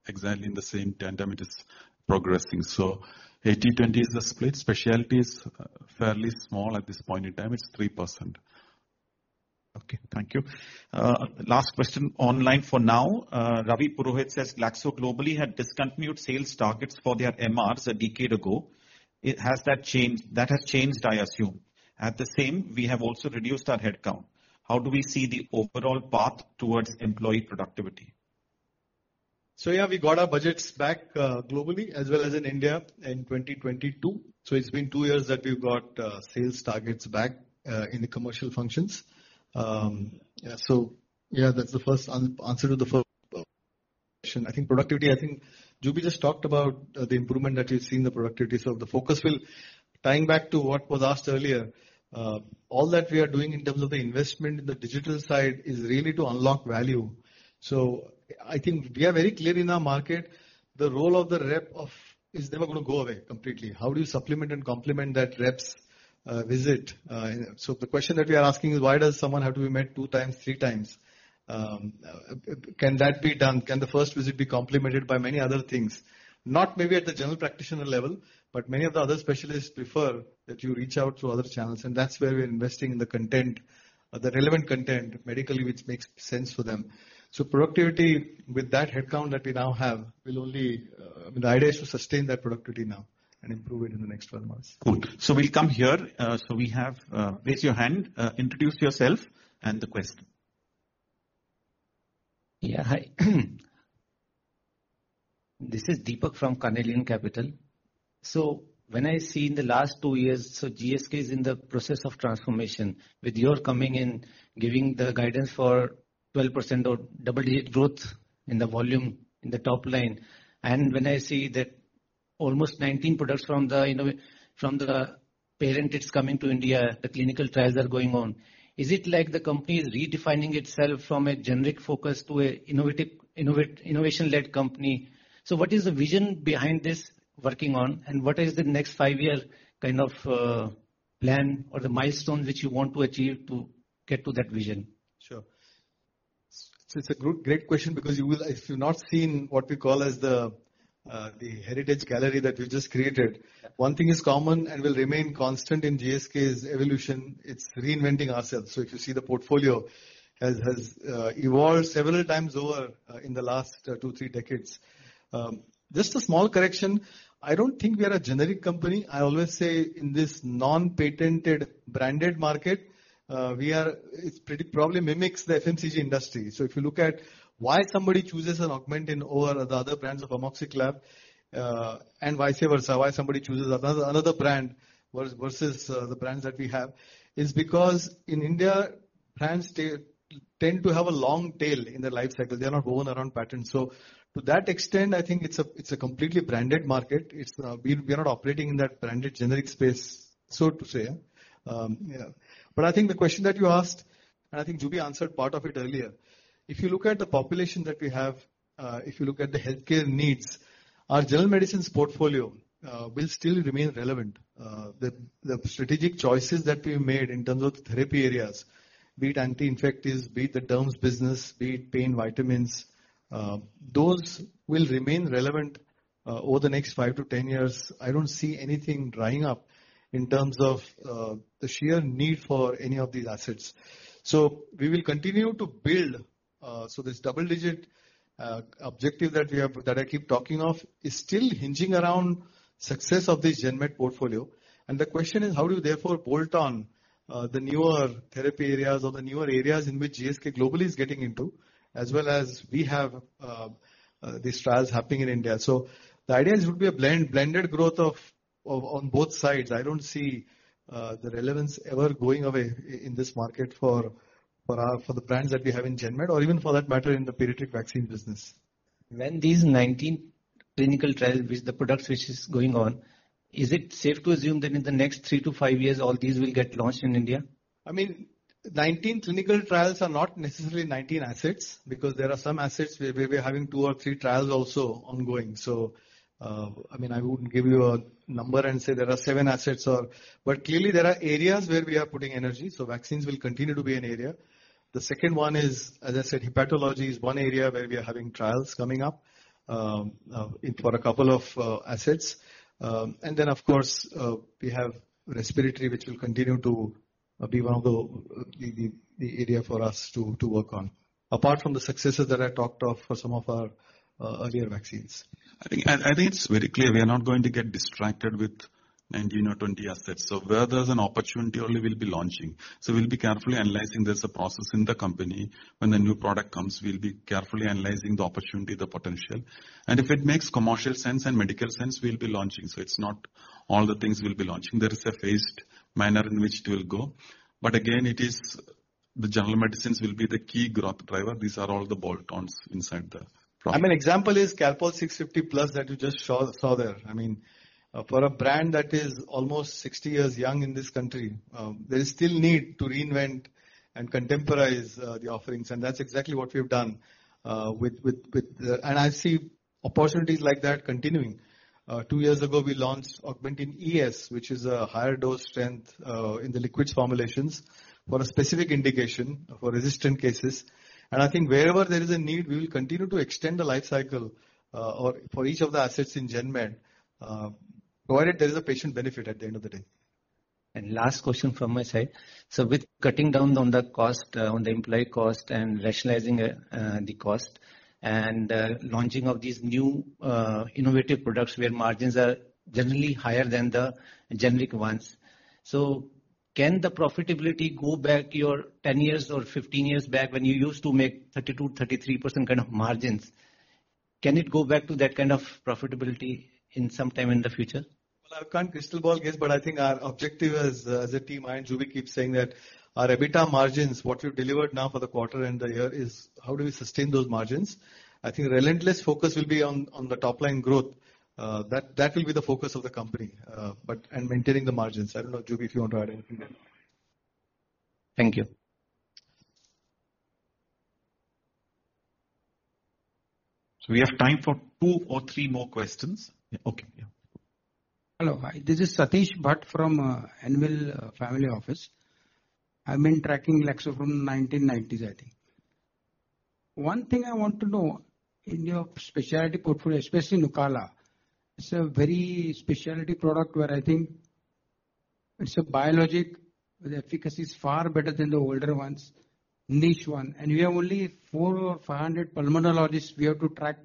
exactly in the same tandem, it is progressing. So 80-20 is the split. Specialty is fairly small at this point in time, it's 3%. Okay, thank you. Last question online for now, Ravi Purohit says: GSK globally had discontinued sales targets for their MRs a decade ago. It has that changed? That has changed, I assume. At the same, we have also reduced our headcount. How do we see the overall path towards employee productivity? So yeah, we got our budgets back globally as well as in India in 2022. So it's been two years that we've got sales targets back in the commercial functions. Yeah, so yeah, that's the first answer to the first... I think productivity, I think Juby just talked about the improvement that you've seen in the productivity. So the focus will, tying back to what was asked earlier, all that we are doing in terms of the investment in the digital side is really to unlock value. So I think we are very clear in our market, the role of the rep is never gonna go away completely. How do you supplement and complement that rep's visit? So the question that we are asking is why does someone have to be met two times, three times? Can that be done? Can the first visit be complemented by many other things? Not maybe at the general practitioner level, but many of the other specialists prefer that you reach out to other channels, and that's where we're investing in the content, the relevant content, medically, which makes sense for them. So productivity with that headcount that we now have, will only. The idea is to sustain that productivity now and improve it in the next 12 months. Good. So we'll come here. So we have, raise your hand, introduce yourself and the question. Yeah, hi. This is Deepak from Carnelian Capital. So when I see in the last two years, so GSK is in the process of transformation, with your coming in, giving the guidance for 12% or double-digit growth in the volume, in the top line. And when I see that almost 19 products from the from the parent, it's coming to India, the clinical trials are going on. Is it like the company is redefining itself from a generic focus to a innovative, innovate, innovation-led company? So what is the vision behind this working on, and what is the next five-year kind of, plan or the milestone which you want to achieve to get to that vision? Sure. It's a good, great question because you will, if you've not seen what we call as the heritage gallery that we just created, one thing is common and will remain constant in GSK's evolution, it's reinventing ourselves. So if you see the portfolio has evolved several times over in the last two, three decades. Just a small correction, I don't think we are a generic company. I always say in this non-patented, branded market, we are, it's pretty, probably mimics the FMCG industry. So if you look at why somebody chooses an Augmentin over the other brands of amoxicillin, and vice versa, why somebody chooses another brand versus the brands that we have, is because in India, brands tend to have a long tail in their life cycle. They are not owned around patents. So to that extent, I think it's a completely branded market. It's, we're not operating in that branded generic space, so to say. But I think the question that you asked, and I think Juby answered part of it earlier. If you look at the population that we have, if you look at the healthcare needs, our general medicines portfolio will still remain relevant. The strategic choices that we've made in terms of therapy areas, be it anti-infectives, be it the derms business, be it pain, vitamins, those will remain relevant over the next 5-10 years. I don't see anything drying up in terms of the sheer need for any of these assets. So we will continue to build. So this double-digit objective that we have, that I keep talking of, is still hinging around success of this Genmed portfolio. And the question is, how do you therefore bolt on the newer therapy areas or the newer areas in which GSK globally is getting into, as well as we have these trials happening in India? So the idea is would be a blend, blended growth of on both sides. I don't see the relevance ever going away in this market for our brands that we have in Genmed, or even for that matter, in the periodic vaccine business. When these 19 clinical trials, which the products which is going on, is it safe to assume that in the next 3-5 years, all these will get launched in India? I mean, 19 clinical trials are not necessarily 19 assets, because there are some assets where we're having 2 or 3 trials also ongoing. So, I mean, I wouldn't give you a number and say there are 7 assets or... But clearly there are areas where we are putting energy, so vaccines will continue to be an area. The second one is, as I said, hepatology is one area where we are having trials coming up, for a couple of assets. And then, of course, we have respiratory, which will continue to be one of the area for us to work on. Apart from the successes that I talked of for some of our earlier vaccines. I think it's very clear we are not going to get distracted with 19 or 20 assets. So where there's an opportunity, only we'll be launching. So we'll be carefully analyzing. There's a process in the company. When a new product comes, we'll be carefully analyzing the opportunity, the potential. And if it makes commercial sense and medical sense, we'll be launching. So it's not all the things we'll be launching. There is a phased manner in which it will go. But again, it is the general medicines will be the key growth driver. These are all the bolt-ons inside the product. I mean, example is Calpol 650 Plus that you just saw there. I mean, for a brand that is almost 60 years young in this country, there is still need to reinvent and contemporize the offerings, and that's exactly what we've done with the... And I see opportunities like that continuing. Two years ago, we launched Augmentin ES, which is a higher dose strength in the liquids formulations for a specific indication for resistant cases. And I think wherever there is a need, we will continue to extend the life cycle or for each of the assets in Genmed, provided there is a patient benefit at the end of the day. Last question from my side: So with cutting down on the cost, on the employee cost and rationalizing the cost and launching of these new innovative products, where margins are generally higher than the generic ones. So can the profitability go back to your 10 years or 15 years back, when you used to make 32, 33% kind of margins? Can it go back to that kind of profitability in some time in the future?... I can't crystal ball guess, but I think our objective as, as a team, I and Jubi keep saying that our EBITDA margins, what we've delivered now for the quarter and the year, is how do we sustain those margins? I think relentless focus will be on, on the top line growth. That, that will be the focus of the company, but and maintaining the margins. I don't know, Jubi, if you want to add anything there. Thank you. We have time for two or three more questions. Okay, yeah. Hello. Hi, this is Satish Bhat from Anvil Family Office. I've been tracking Glaxo from the 1990s, I think. One thing I want to know, in your specialty portfolio, especially Nucala, it's a very specialty product where I think it's a biologic, the efficacy is far better than the older ones, niche one, and we have only 400 or 500 pulmonologists we have to track,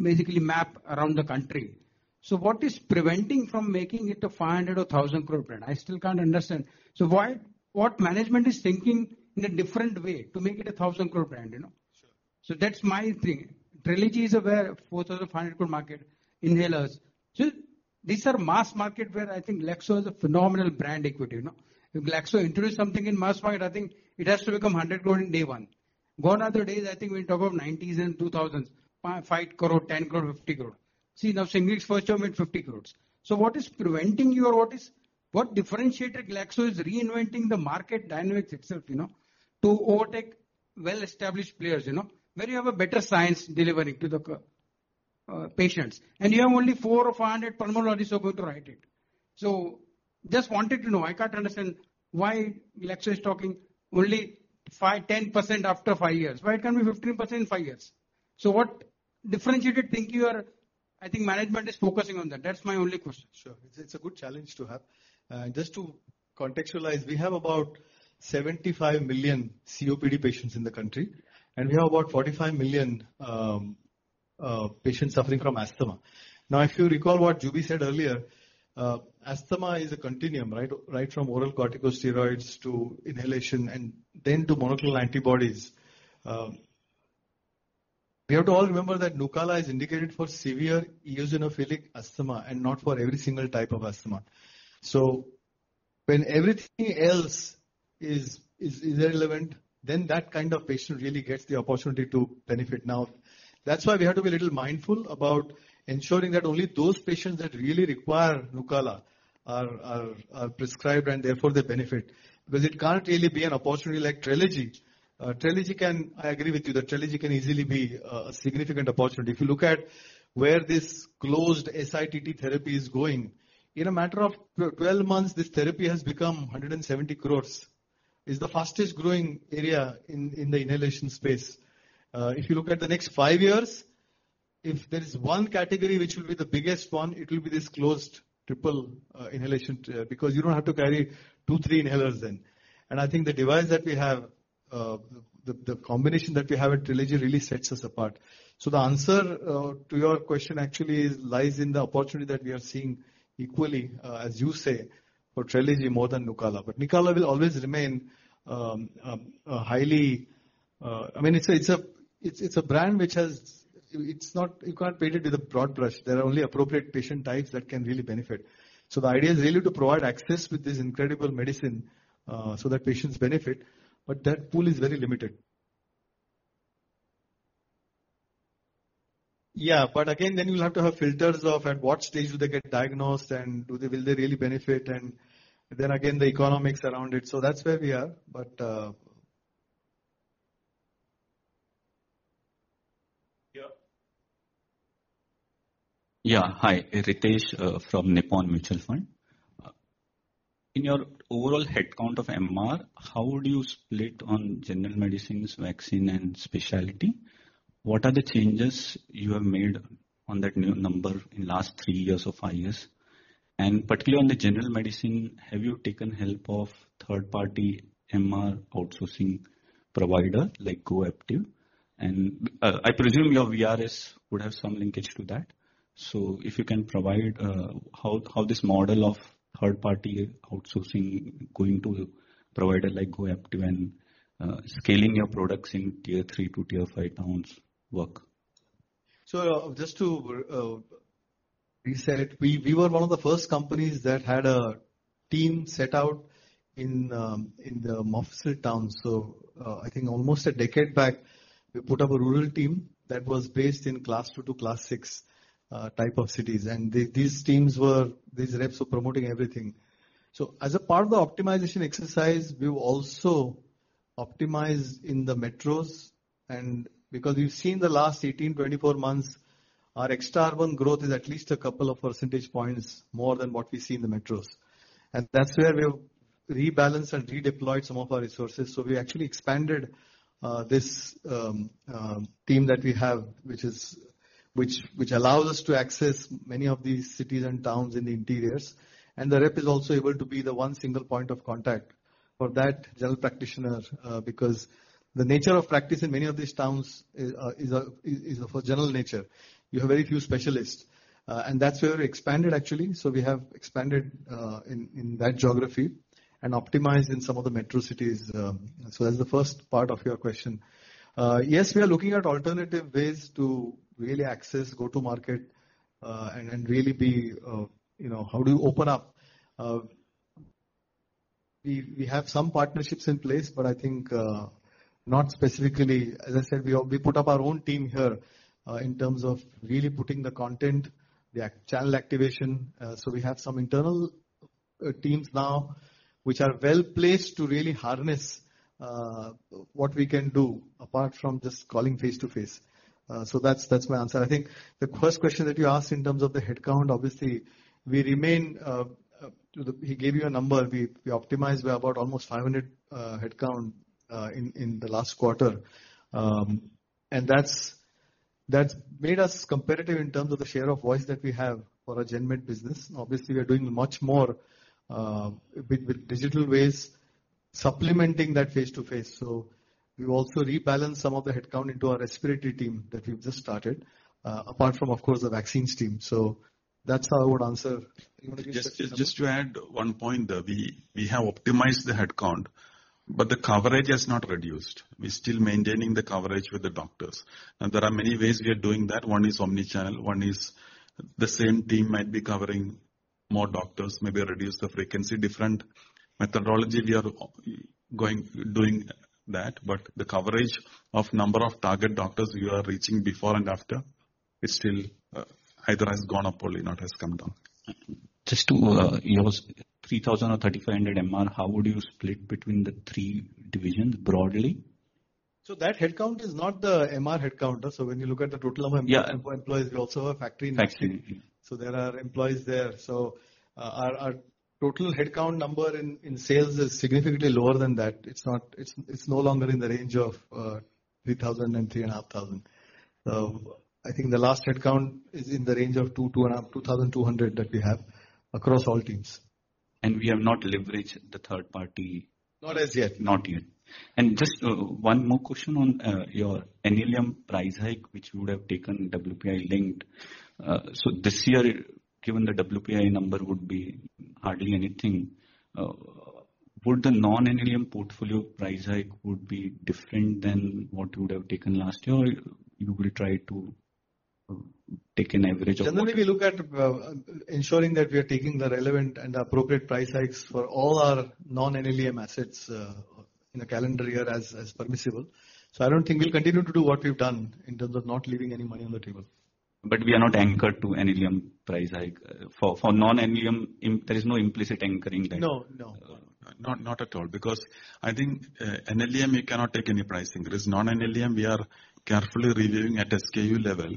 basically map around the country. So what is preventing from making it a 500 crore or 1,000 crore brand? I still can't understand. So why—what management is thinking in a different way to make it a 1,000 crore brand, you know? Sure. So that's my thing. Trelegy is a very 4,500 crore market inhalers. So these are mass market where I think Glaxo is a phenomenal brand equity, you know? If Glaxo introduce something in mass market, I think it has to become 100 crore in day one. Gone are the days, I think we talk about 1990s and 2000s, 5 crore, 10 crore, 50 crore. See, now Similac first term at 50 crore. So what is preventing you or what is... What differentiated Glaxo is reinventing the market dynamics itself, you know, to overtake well-established players, you know? Where you have a better science delivery to the, patients, and you have only 400 or 500 pulmonologists who are going to write it. So just wanted to know, I can't understand why Glaxo is talking only 5%-10% after 5 years. Why can't it be 15% in five years? So, what differentiated thinking are you? I think management is focusing on that. That's my only question. Sure. It's a good challenge to have. Just to contextualize, we have about 75 million COPD patients in the country, and we have about 45 million patients suffering from asthma. Now, if you recall what Jubi said earlier, asthma is a continuum, right? Right from oral corticosteroids to inhalation and then to monoclonal antibodies. We have to all remember that Nucala is indicated for severe eosinophilic asthma and not for every single type of asthma. So when everything else is irrelevant, then that kind of patient really gets the opportunity to benefit. Now, that's why we have to be a little mindful about ensuring that only those patients that really require Nucala are prescribed, and therefore, they benefit. Because it can't really be an opportunity like Trelegy. Trelegy can... I agree with you that Trelegy can easily be a significant opportunity. If you look at where this closed SITT therapy is going, in a matter of 12 months, this therapy has become 170 crore. It's the fastest growing area in the inhalation space. If you look at the next five years, if there is one category which will be the biggest one, it will be this closed triple inhalation because you don't have to carry two, three inhalers then. And I think the device that we have, the combination that we have at Trelegy really sets us apart. So the answer to your question actually lies in the opportunity that we are seeing equally, as you say, for Trelegy more than Nucala. But Nucala will always remain a highly... I mean, it's a brand which has—it's not, you can't paint it with a broad brush. There are only appropriate patient types that can really benefit. So the idea is really to provide access with this incredible medicine, so that patients benefit, but that pool is very limited. Yeah, but again, then you'll have to have filters of at what stage do they get diagnosed, and do they, will they really benefit? And then again, the economics around it. So that's where we are, but— Yeah. Yeah. Hi, Ritesh, from Nippon Mutual Fund. In your overall headcount of MR, how would you split on general medicines, vaccine, and specialty? What are the changes you have made on that new number in last 3 years or 5 years? And particularly on the general medicine, have you taken help of third-party MR outsourcing provider, like GoApptiv? And, I presume your VRS would have some linkage to that. So if you can provide how this model of third-party outsourcing going to a provider like GoApptiv and scaling your products in tier 3 to tier 5 towns work? So just to reset, we were one of the first companies that had a team set out in the mofussil towns. So, I think almost a decade back, we put up a rural team that was based in class two to class six type of cities. And these teams were, these reps were promoting everything. So as a part of the optimization exercise, we've also optimized in the metros. And because we've seen in the last 18-24 months, our extra urban growth is at least a couple of percentage points more than what we see in the metros. And that's where we have rebalanced and redeployed some of our resources. So we actually expanded this team that we have, which allows us to access many of these cities and towns in the interiors. And the rep is also able to be the one single point of contact for that general practitioner, because the nature of practice in many of these towns is of a general nature. You have very few specialists, and that's where we expanded, actually. So we have expanded in that geography... and optimize in some of the metro cities. So that's the first part of your question. Yes, we are looking at alternative ways to really access, go to market, and really be, you know, how do you open up? We have some partnerships in place, but I think not specifically. As I said, we put up our own team here in terms of really putting the content, the actual channel activation. So we have some internal teams now, which are well-placed to really harness what we can do, apart from just calling face-to-face. So that's my answer. I think the first question that you asked in terms of the headcount, obviously, we remain, we gave you a number. We optimized, we are about almost 500 headcount in the last quarter. And that's made us competitive in terms of the share of voice that we have for our Genmed business. Obviously, we are doing much more with digital ways, supplementing that face-to-face. So we've also rebalanced some of the headcount into our respiratory team that we've just started, apart from, of course, the vaccines team. So that's how I would answer. You wanna give something? Just, just to add one point, we have optimized the headcount, but the coverage has not reduced. We're still maintaining the coverage with the doctors, and there are many ways we are doing that. One is omni-channel, one is the same team might be covering more doctors, maybe reduce the frequency. Different methodology, we are going, doing that, but the coverage of number of target doctors we are reaching before and after, is still, either has gone up or only not has come down. Just to your 3,000 or 3,500 MR, how would you split between the three divisions, broadly? That headcount is not the MR headcount. When you look at the total number of- Yeah Employees, we also have factory employees. Factory. So there are employees there. So, our total headcount number in sales is significantly lower than that. It's not. It's no longer in the range of 3,000-3,500. I think the last headcount is in the range of 2,000-2,500, 2,200 that we have across all teams. We have not leveraged the third party? Not as yet. Not yet. Just one more question on your NLM price hike, which you would have taken WPI linked. So this year, given the WPI number would be hardly anything, would the non-NLM portfolio price hike would be different than what you would have taken last year, or you will try to take an average of what- Generally, we look at ensuring that we are taking the relevant and appropriate price hikes for all our non-NLM assets in a calendar year as permissible. So I don't think we'll continue to do what we've done in terms of not leaving any money on the table. But we are not anchored to NLM price hike. For non-NLM, there is no implicit anchoring there? No, no. Not, not at all, because I think, NLM, we cannot take any price increase. Non-NLM, we are carefully reviewing at SKU level,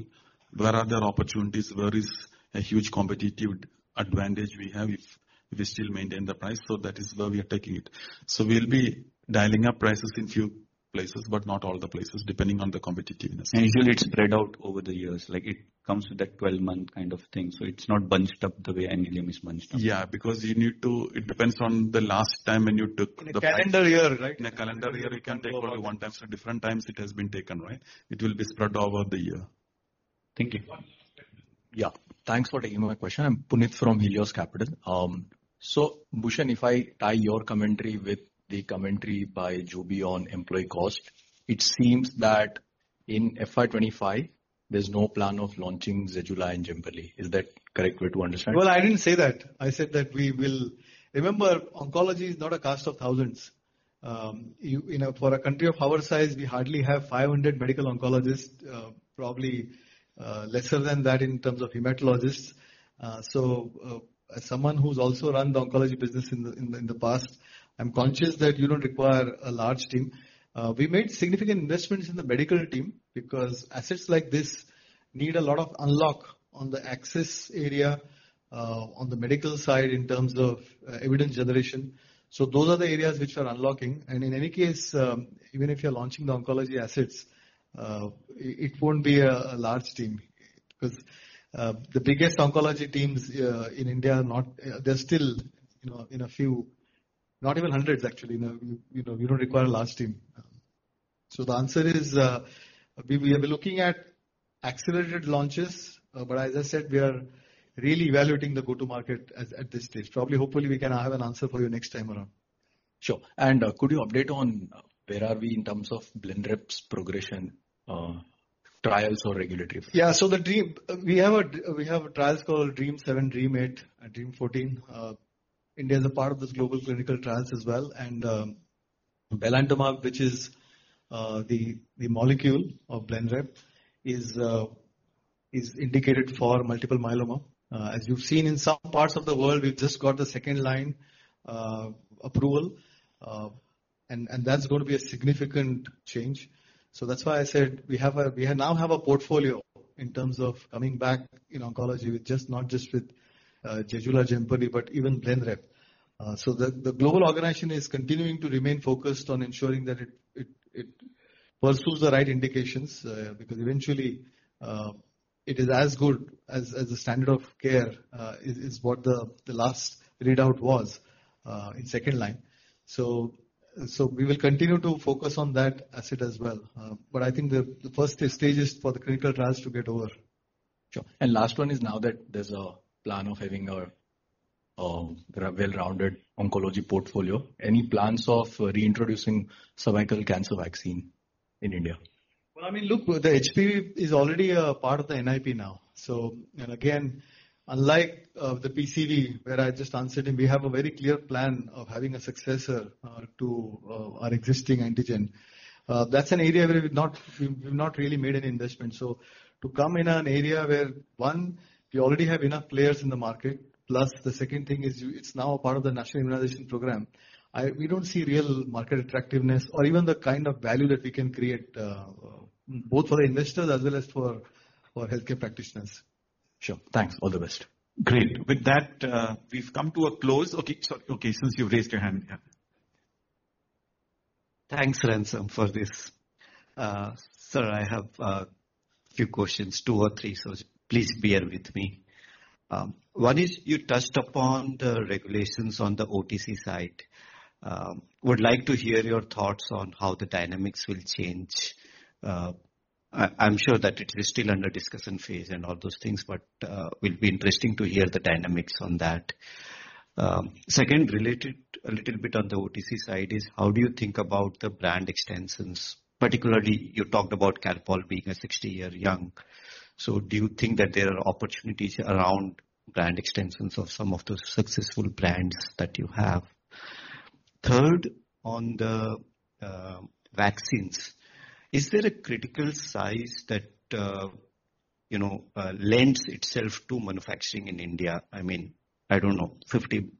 where are there opportunities, where is a huge competitive advantage we have if, if we still maintain the price, so that is where we are taking it. So we'll be dialing up prices in few places, but not all the places, depending on the competitiveness. Usually, it's spread out over the years. Like, it comes with a 12-month kind of thing, so it's not bunched up the way NLM is bunched up. Yeah, because you need to... It depends on the last time when you took the- In a calendar year, right? In a calendar year, it can take only one time, so different times it has been taken, right? It will be spread over the year. Thank you. Yeah. Thanks for taking my question. I'm Punit from Helios Capital. So, Bhushan, if I tie your commentary with the commentary by Jubi on employee cost, it seems that in FY 25, there's no plan of launching Zejula and Jemperli. Is that correct way to understand? Well, I didn't say that. I said that we will... Remember, oncology is not a cast of thousands. You know, for a country of our size, we hardly have 500 medical oncologists, probably lesser than that in terms of hematologists. So, as someone who's also run the oncology business in the past, I'm conscious that you don't require a large team. We made significant investments in the medical team, because assets like this need a lot of unlock on the access area, on the medical side, in terms of evidence generation. So those are the areas which are unlocking. And in any case, even if you're launching the oncology assets, it won't be a large team. Because the biggest oncology teams in India are not. They're still, you know, in a few, not even hundreds, actually. You know, you don't require a large team. So the answer is, we are looking at accelerated launches, but as I said, we are really evaluating the go-to-market at this stage. Probably, hopefully, we can have an answer for you next time around. Sure. Could you update on where are we in terms of BLENREP's progression, trials or regulatory? Yeah, so the dream, we have trials called Dream 7, Dream 8, and Dream 14. India is a part of this global clinical trials as well. And, Belantamab, which is the molecule of Blenrep, is indicated for multiple myeloma. As you've seen in some parts of the world, we've just got the second-line approval, and that's going to be a significant change. So that's why I said we now have a portfolio in terms of coming back in oncology with not just with Zejula, Jemperli, but even Blenrep. So the global organization is continuing to remain focused on ensuring that it pursues the right indications, because eventually, it is as good as the standard of care, is what the last readout was, in second line. So we will continue to focus on that asset as well, but I think the first stage is for the clinical trials to get over.... Sure. And last one is now that there's a plan of having a well-rounded oncology portfolio, any plans of reintroducing cervical cancer vaccine in India? Well, I mean, look, the HPV is already a part of the NIP now. So and again, unlike the PCV, where I just answered, and we have a very clear plan of having a successor to our existing antigen, that's an area where we've not really made any investment. So to come in an area where, one, you already have enough players in the market, plus the second thing is it's now a part of the National Immunization Program. We don't see real market attractiveness or even the kind of value that we can create both for investors as well as for healthcare practitioners. Sure. Thanks. All the best. Great. With that, we've come to a close. Okay, sorry. Okay, since you've raised your hand, yeah. Thanks, Ranvir, for this. Sir, I have a few questions, two or three, so please bear with me. One is, you touched upon the regulations on the OTC side. Would like to hear your thoughts on how the dynamics will change. I'm sure that it is still under discussion phase and all those things, but will be interesting to hear the dynamics on that. Second, related a little bit on the OTC side is: how do you think about the brand extensions, particularly you talked about Calpol being a 60-year young. So do you think that there are opportunities around brand extensions of some of those successful brands that you have? Third, on the vaccines, is there a critical size that you know lends itself to manufacturing in India? I mean, I don't know, 50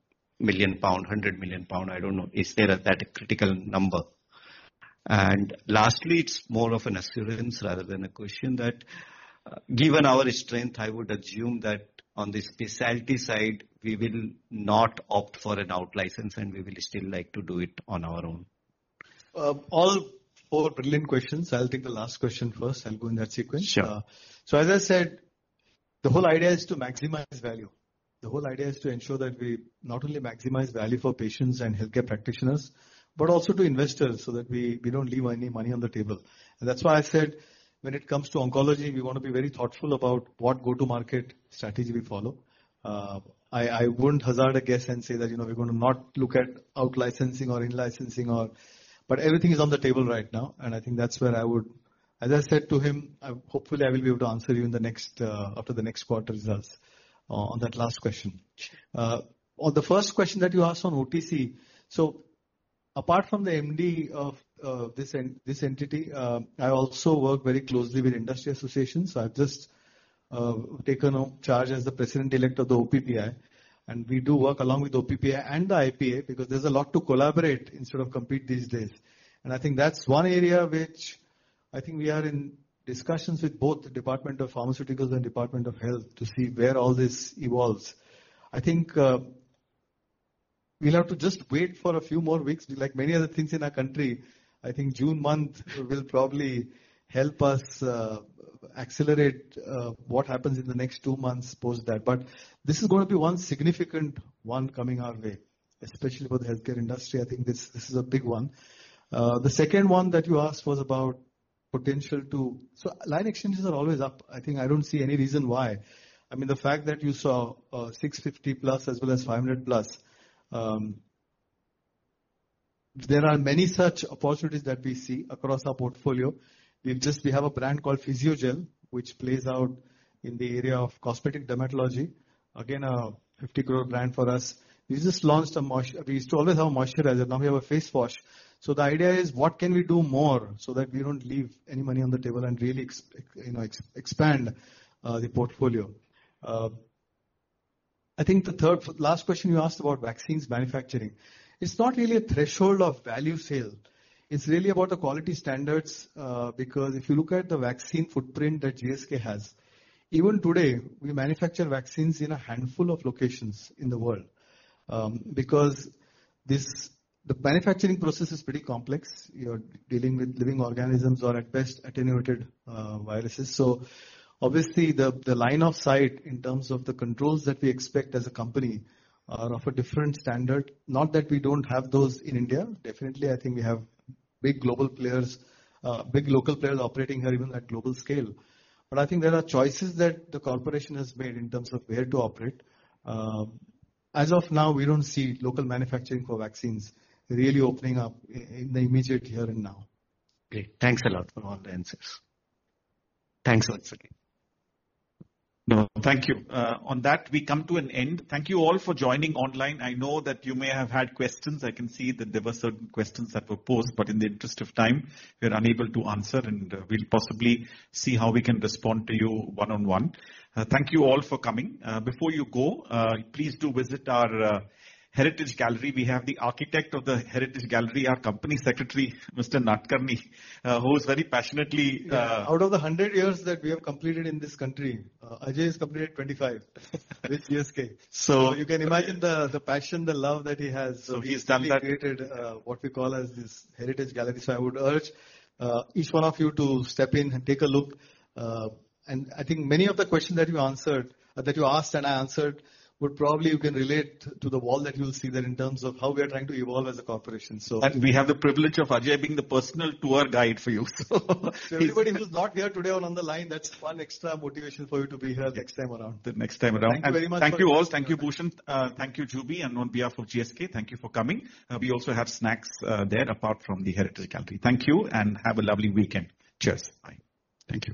million pound, 100 million pound, I don't know. Is there that critical number? And lastly, it's more of an assurance rather than a question, that given our strength, I would assume that on the specialty side, we will not opt for an out license and we will still like to do it on our own. All four brilliant questions. I'll take the last question first, and go in that sequence. Sure. So as I said, the whole idea is to maximize value. The whole idea is to ensure that we not only maximize value for patients and healthcare practitioners, but also to investors, so that we, we don't leave any money on the table. And that's why I said, when it comes to oncology, we want to be very thoughtful about what go-to-market strategy we follow. I, I wouldn't hazard a guess and say that, you know, we're going to not look at out-licensing or in-licensing or... But everything is on the table right now, and I think that's where I would- as I said to him, hopefully, I will be able to answer you in the next, after the next quarter results, on that last question. Sure. On the first question that you asked on OTC: so apart from the MD of this entity, I also work very closely with industry associations. I've just taken on charge as the President-elect of the OPPI, and we do work along with OPPI and the IPA, because there's a lot to collaborate instead of compete these days. I think that's one area which I think we are in discussions with both the Department of Pharmaceuticals and Department of Health to see where all this evolves. I think we'll have to just wait for a few more weeks. Like many other things in our country, I think June month will probably help us accelerate what happens in the next two months post that. But this is gonna be one significant one coming our way, especially for the healthcare industry. I think this, this is a big one. The second one that you asked was about potential. So line extensions are always up. I think, I don't see any reason why. I mean, the fact that you saw 650+ as well as 500+, there are many such opportunities that we see across our portfolio. We just, we have a brand called Physiogel, which plays out in the area of cosmetic dermatology. Again, an 50 crore brand for us. We just launched a moisturizer, we used to always have a moisturizer, now we have a face wash. So the idea is, what can we do more so that we don't leave any money on the table and really you know, expand the portfolio? I think the third, last question you asked about vaccines manufacturing. It's not really a threshold of value sale. It's really about the quality standards, because if you look at the vaccine footprint that GSK has, even today, we manufacture vaccines in a handful of locations in the world, because this, the manufacturing process is pretty complex. You're dealing with living organisms or at best, attenuated, viruses. So obviously, the line of sight in terms of the controls that we expect as a company are of a different standard. Not that we don't have those in India. Definitely, I think we have big global players, big local players operating here even at global scale. But I think there are choices that the corporation has made in terms of where to operate. As of now, we don't see local manufacturing for vaccines really opening up in the immediate here and now. Great. Thanks a lot for all the answers. Thanks once again. No, thank you. On that, we come to an end. Thank you all for joining online. I know that you may have had questions. I can see that there were certain questions that were posed, but in the interest of time, we are unable to answer, and we'll possibly see how we can respond to you one on one. Thank you all for coming. Before you go, please do visit our heritage gallery. We have the architect of the heritage gallery, our company secretary, Mr. Nadkarni, who is very passionately. Out of the 100 years that we have completed in this country, Ajay has completed 25 with GSK. So- You can imagine the passion, the love that he has. So he's done that. He's created what we call as this heritage gallery. So I would urge each one of you to step in and take a look. I think many of the questions that you answered that you asked and I answered would probably you can relate to the wall that you'll see there in terms of how we are trying to evolve as a corporation, so- We have the privilege of Ajay being the personal tour guide for you. Everybody who's not here today or on the line, that's one extra motivation for you to be here next time around. The next time around. Thank you very much. Thank you, all. Thank you, Bhushan. Thank you, Jubi, and on behalf of GSK, thank you for coming. We also have snacks, there, apart from the heritage gallery. Thank you, and have a lovely weekend. Cheers! Bye. Thank you.